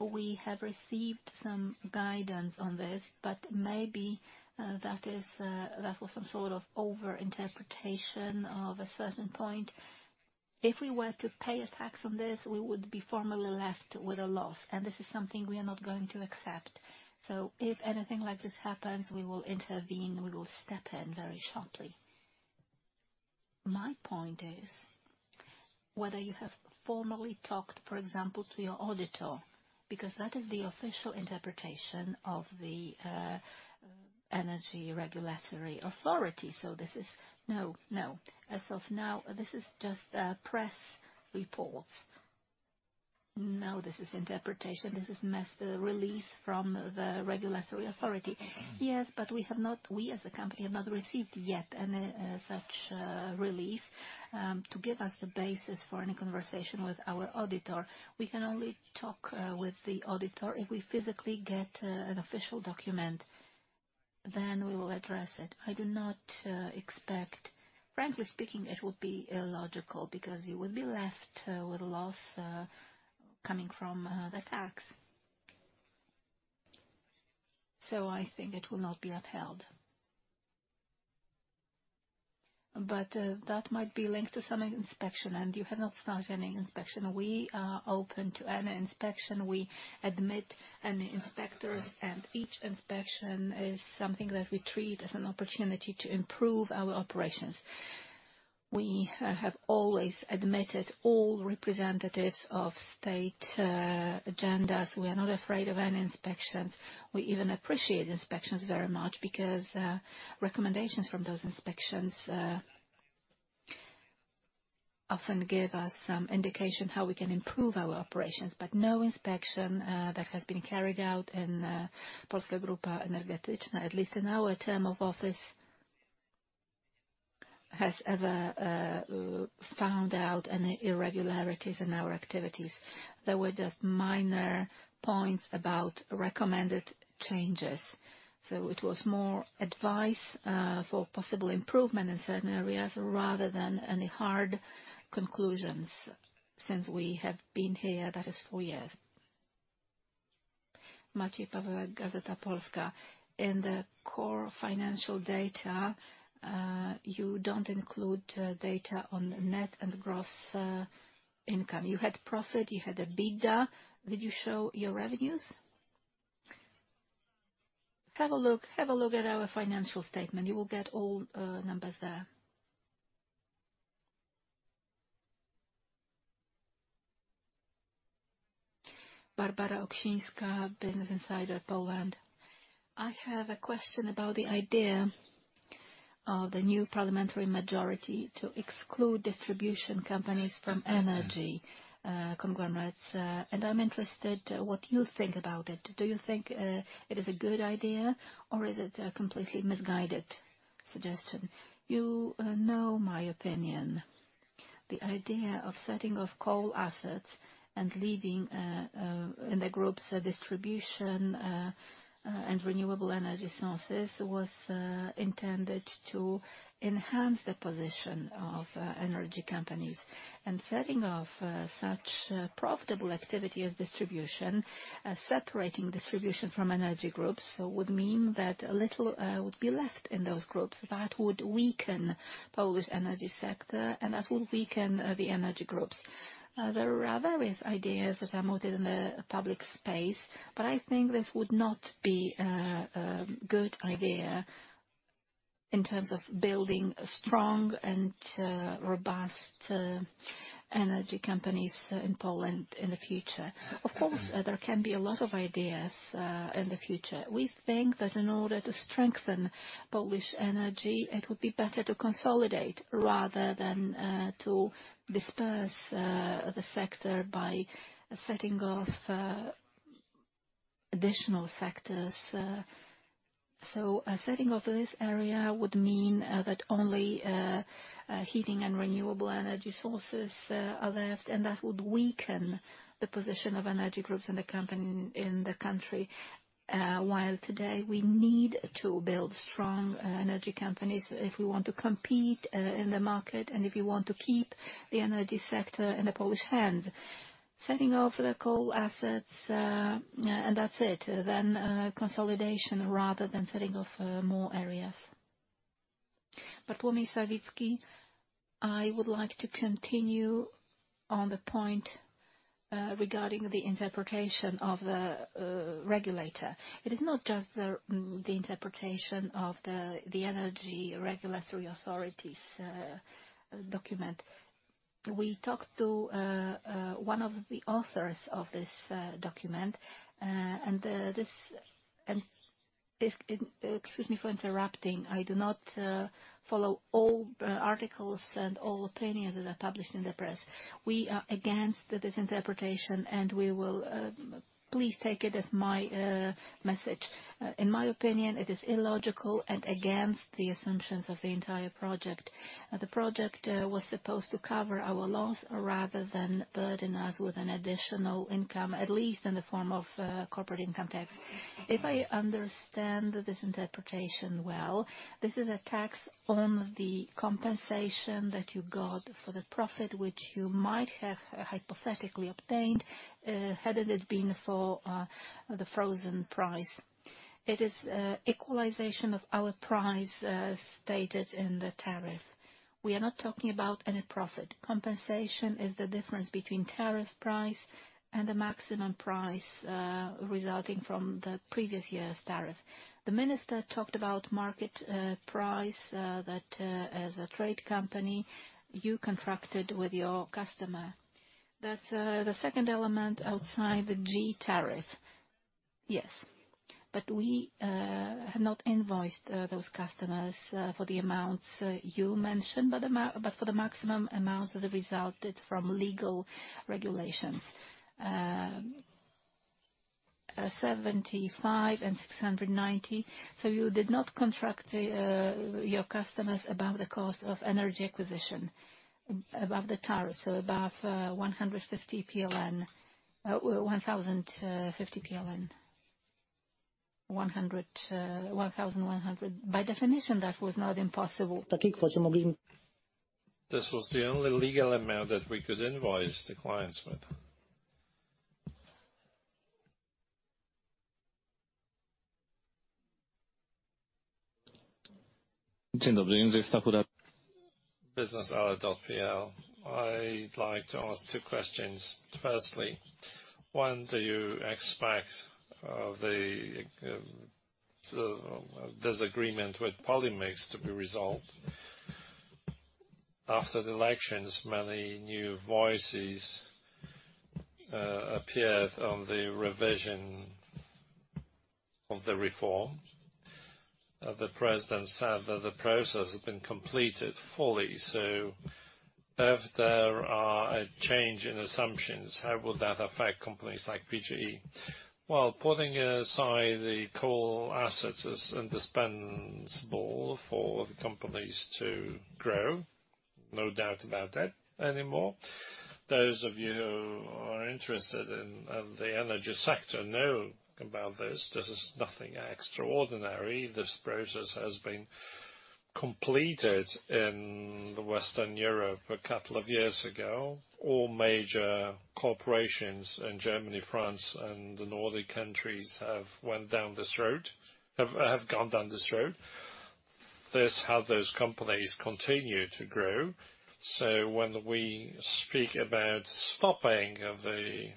We have received some guidance on this, but maybe that was some sort of overinterpretation of a certain point. If we were to pay a tax on this, we would be formally left with a loss, and this is something we are not going to accept. So if anything like this happens, we will intervene. We will step in very sharply. My point is, whether you have formally talked, for example, to your auditor, because that is the official interpretation of the Energy Regulatory Authority, so this is- No, no. As of now, this is just press reports. No, this is interpretation. This is mass release from the regulatory authority. Yes, but we have not, we, as a company, have not received yet any such release to give us the basis for any conversation with our auditor. We can only talk with the auditor if we physically get an official document, then we will address it. I do not expect. Frankly speaking, it would be illogical, because we would be left with a loss coming from the tax. So I think it will not be upheld. But that might be linked to some inspection, and you have not started any inspection. We are open to any inspection. We admit any inspectors, and each inspection is something that we treat as an opportunity to improve our operations. We have always admitted all representatives of state agencies. We are not afraid of any inspections. We even appreciate inspections very much because, recommendations from those inspections, often give us some indication how we can improve our operations. But no inspection, that has been carried out in, Polska Grupa Energetyczna, at least in our term of office, has ever, found out any irregularities in our activities. There were just minor points about recommended changes, so it was more advice, for possible improvement in certain areas, rather than any hard conclusions since we have been here, that is four years. Maciej Pawlak, Gazeta Polska. In the core financial data, you don't include, data on net and gross, income. You had profit, you had EBITDA. Did you show your revenues? Have a look, have a look at our financial statement. You will get all, numbers there. Barbara Olsinska, Business Insider, Poland. I have a question about the idea of the new parliamentary majority to exclude distribution companies from energy conglomerates. I'm interested what you think about it. Do you think it is a good idea, or is it a completely misguided suggestion? You know my opinion. The idea of setting off coal assets and leaving in the group's distribution and renewable energy sources was intended to enhance the position of energy companies. And setting off such profitable activity as distribution, separating distribution from energy groups, would mean that little would be left in those groups. That would weaken Polish energy sector, and that would weaken the energy groups. There are various ideas that are more in the public space, but I think this would not be a good idea in terms of building strong and robust energy companies in Poland in the future. Of course, there can be a lot of ideas in the future. We think that in order to strengthen Polish energy, it would be better to consolidate rather than to disperse the sector by setting off additional sectors. So, setting off this area would mean that only heating and renewable energy sources are left, and that would weaken the position of energy groups in the company in the country. While today we need to build strong energy companies if we want to compete in the market and if we want to keep the energy sector in the Polish hand. Setting off the coal assets, and that's it, then consolidation rather than setting off more areas. Bartłomiej Sawicki? I would like to continue on the point regarding the interpretation of the regulator. It is not just the interpretation of the energy regulatory authorities document. We talked to one of the authors of this document, and this and this—excuse me for interrupting. I do not follow all articles and all opinions that are published in the press. We are against this interpretation, and we will—please take it as my message. In my opinion, it is illogical and against the assumptions of the entire project. The project was supposed to cover our loss rather than burden us with an additional income, at least in the form of corporate income tax. If I understand this interpretation well, this is a tax on the compensation that you got for the profit, which you might have hypothetically obtained, had it had been for the frozen price. It is equalization of our price stated in the tariff. We are not talking about any profit. Compensation is the difference between tariff price and the maximum price resulting from the previous year's tariff. The minister talked about market price that, as a trade company, you contracted with your customer. That's the second element outside the G Tariff. Yes, but we have not invoiced those customers for the amounts you mentioned, but for the maximum amounts that resulted from legal regulations. 75 and 690. So you did not contract your customers about the cost of energy acquisition, above the tariff, so above 150 PLN, 1,050 PLN. 100, 1,100. By definition, that was not impossible. This was the only legal amount that we could invoice the clients with. BiznesAlert.pl. I'd like to ask two questions. Firstly, when do you expect this agreement with Polimex to be resolved? After the elections, many new voices appeared on the revision of the reform. The president said that the process has been completed fully, so if there are a change in assumptions, how will that affect companies like PGE? Well, putting aside the coal assets is indispensable for the companies to grow. No doubt about that anymore. Those of you who are interested in the energy sector know about this. This is nothing extraordinary. This process has been completed in Western Europe a couple of years ago. All major corporations in Germany, France, and the Nordic countries have went down this road, have gone down this road. That's how those companies continue to grow. So when we speak about stopping of the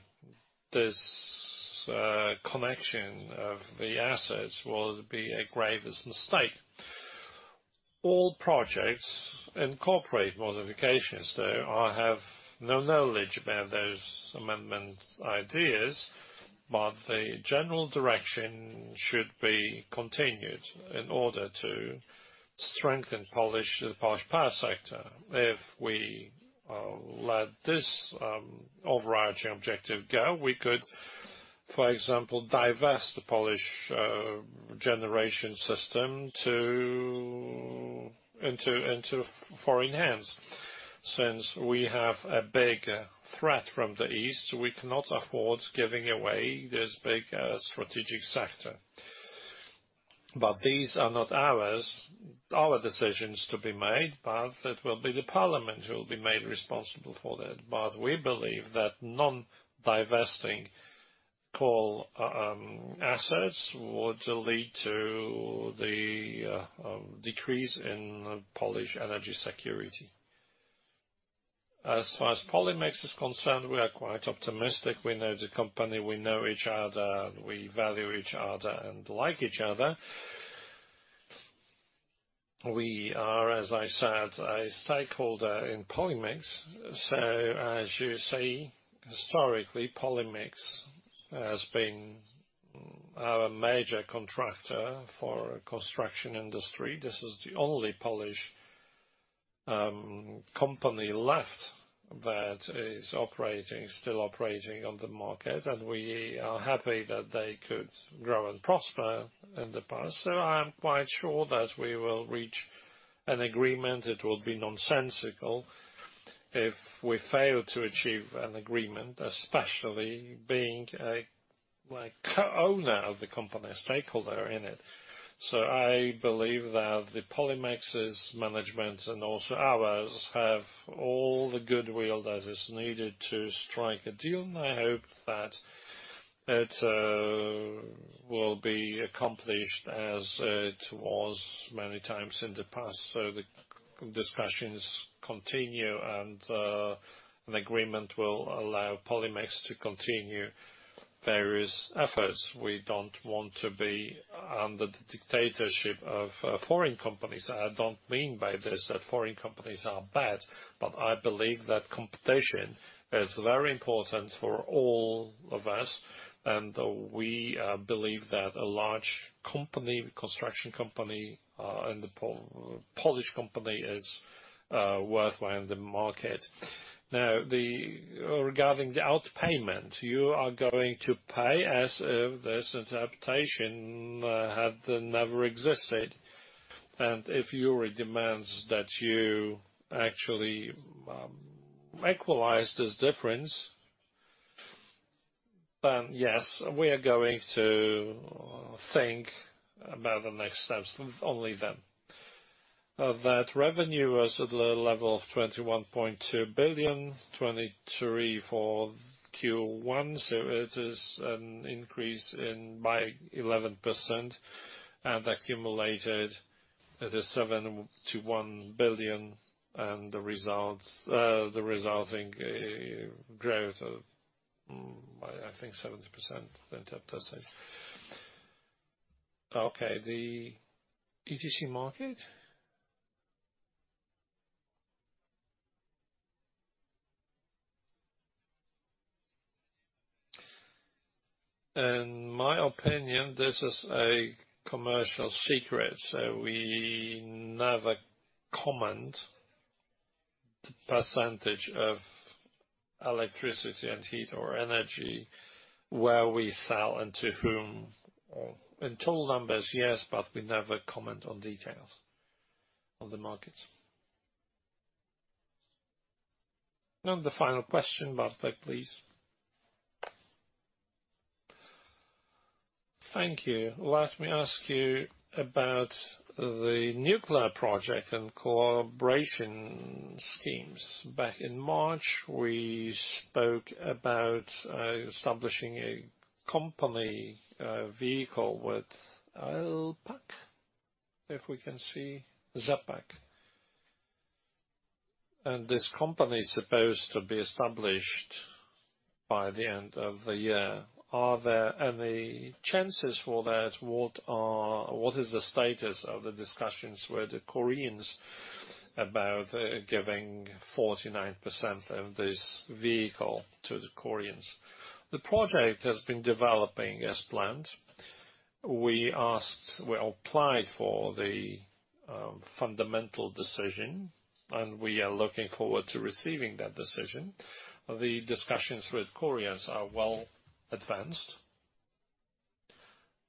connection of the assets will be a grievous mistake. All projects incorporate modifications, though I have no knowledge about those amendment ideas, but the general direction should be continued in order to strengthen the Polish power sector. If we let this overarching objective go, we could, for example, divest the Polish generation system into foreign hands. Since we have a big threat from the East, we cannot afford giving away this big strategic sector. But these are not our decisions to be made, but it will be the parliament who will be made responsible for that. But we believe that non-divesting coal assets would lead to the decrease in Polish energy security. As far as Polimex is concerned, we are quite optimistic. We know the company, we know each other, and we value each other and like each other. We are, as I said, a stakeholder in Polimex. So as you see, historically, Polimex has been our major contractor for construction industry. This is the only Polish company left that is operating, still operating on the market, and we are happy that they could grow and prosper in the past. So I'm quite sure that we will reach an agreement. It will be nonsensical if we fail to achieve an agreement, especially being a, like, co-owner of the company, a stakeholder in it. So I believe that the Polimex's management and also ours, have all the goodwill that is needed to strike a deal. I hope that it will be accomplished as it was many times in the past. So the discussions continue, and. An agreement will allow Polimex to continue various efforts. We don't want to be under the dictatorship of, foreign companies. I don't mean by this, that foreign companies are bad, but I believe that competition is very important for all of us, and we, believe that a large company, construction company, and the Polish company is, worthwhile in the market. Now, regarding the out payment, you are going to pay as if this interpretation had never existed. And if you demands that you actually, equalize this difference, then yes, we are going to think about the next steps, only then. That revenue was at the level of 21.2 billion, 2023 for Q1. So it is an increase in by 11% and accumulated at 7 billion-1 billion, and the results, the resulting, growth of, I think 70%, then that does it. Okay, the ETC market? In my opinion, this is a commercial secret, so we never comment the percentage of electricity and heat or energy, where we sell and to whom. In total numbers, yes, but we never comment on details of the markets. And the final question, Bartłomiej, please. Thank you. Let me ask you about the nuclear project and collaboration schemes. Back in March, we spoke about, establishing a company, vehicle with ZE PAK, if we can see ZE PAK. And this company is supposed to be established by the end of the year. Are there any chances for that? What is the status of the discussions with the Koreans about giving 49% of this vehicle to the Koreans? The project has been developing as planned. We asked, we applied for the fundamental decision, and we are looking forward to receiving that decision. The discussions with Koreans are well advanced.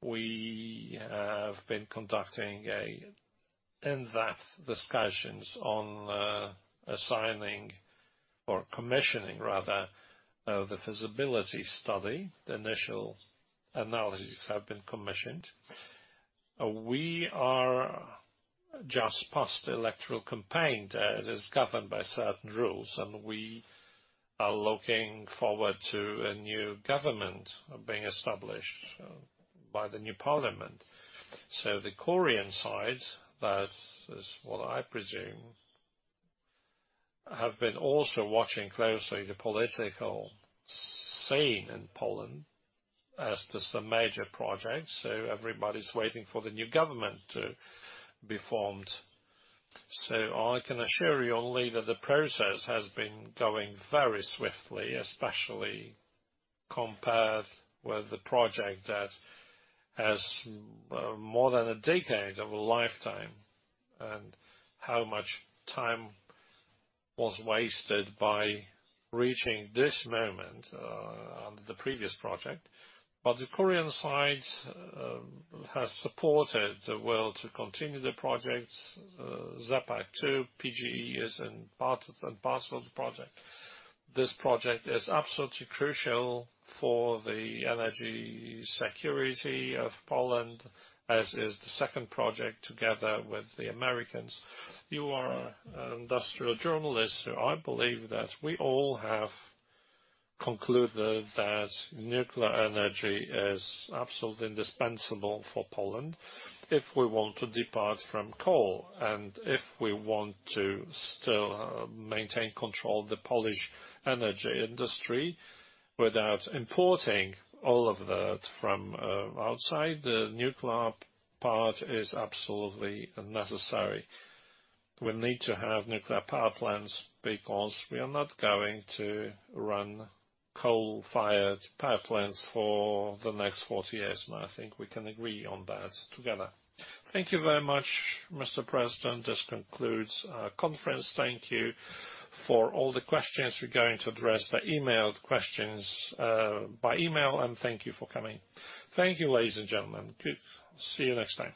We have been conducting in-depth discussions on assigning or commissioning, rather, the feasibility study. The initial analyses have been commissioned. We are just past the electoral campaign. It is governed by certain rules, and we are looking forward to a new government being established by the new parliament. So the Korean side, that is what I presume, have been also watching closely the political scene in Poland as this is a major project, so everybody's waiting for the new government to be formed. So I can assure you only that the process has been going very swiftly, especially compared with the project that has more than a decade of a lifetime, and how much time was wasted by reaching this moment on the previous project. But the Korean side has supported the will to continue the project, ZE PAK too, PGE is in part and parcel of the project. This project is absolutely crucial for the energy security of Poland, as is the second project together with the Americans. You are an industrial journalist, so I believe that we all have concluded that nuclear energy is absolutely indispensable for Poland, if we want to depart from coal, and if we want to still maintain control of the Polish energy industry, without importing all of that from outside, the nuclear part is absolutely necessary. We need to have nuclear power plants because we are not going to run coal-fired power plants for the next 40 years, and I think we can agree on that together. Thank you very much, Mr. President. This concludes our conference. Thank you for all the questions. We're going to address the emailed questions by email, and thank you for coming. Thank you, ladies and gentlemen. See you next time.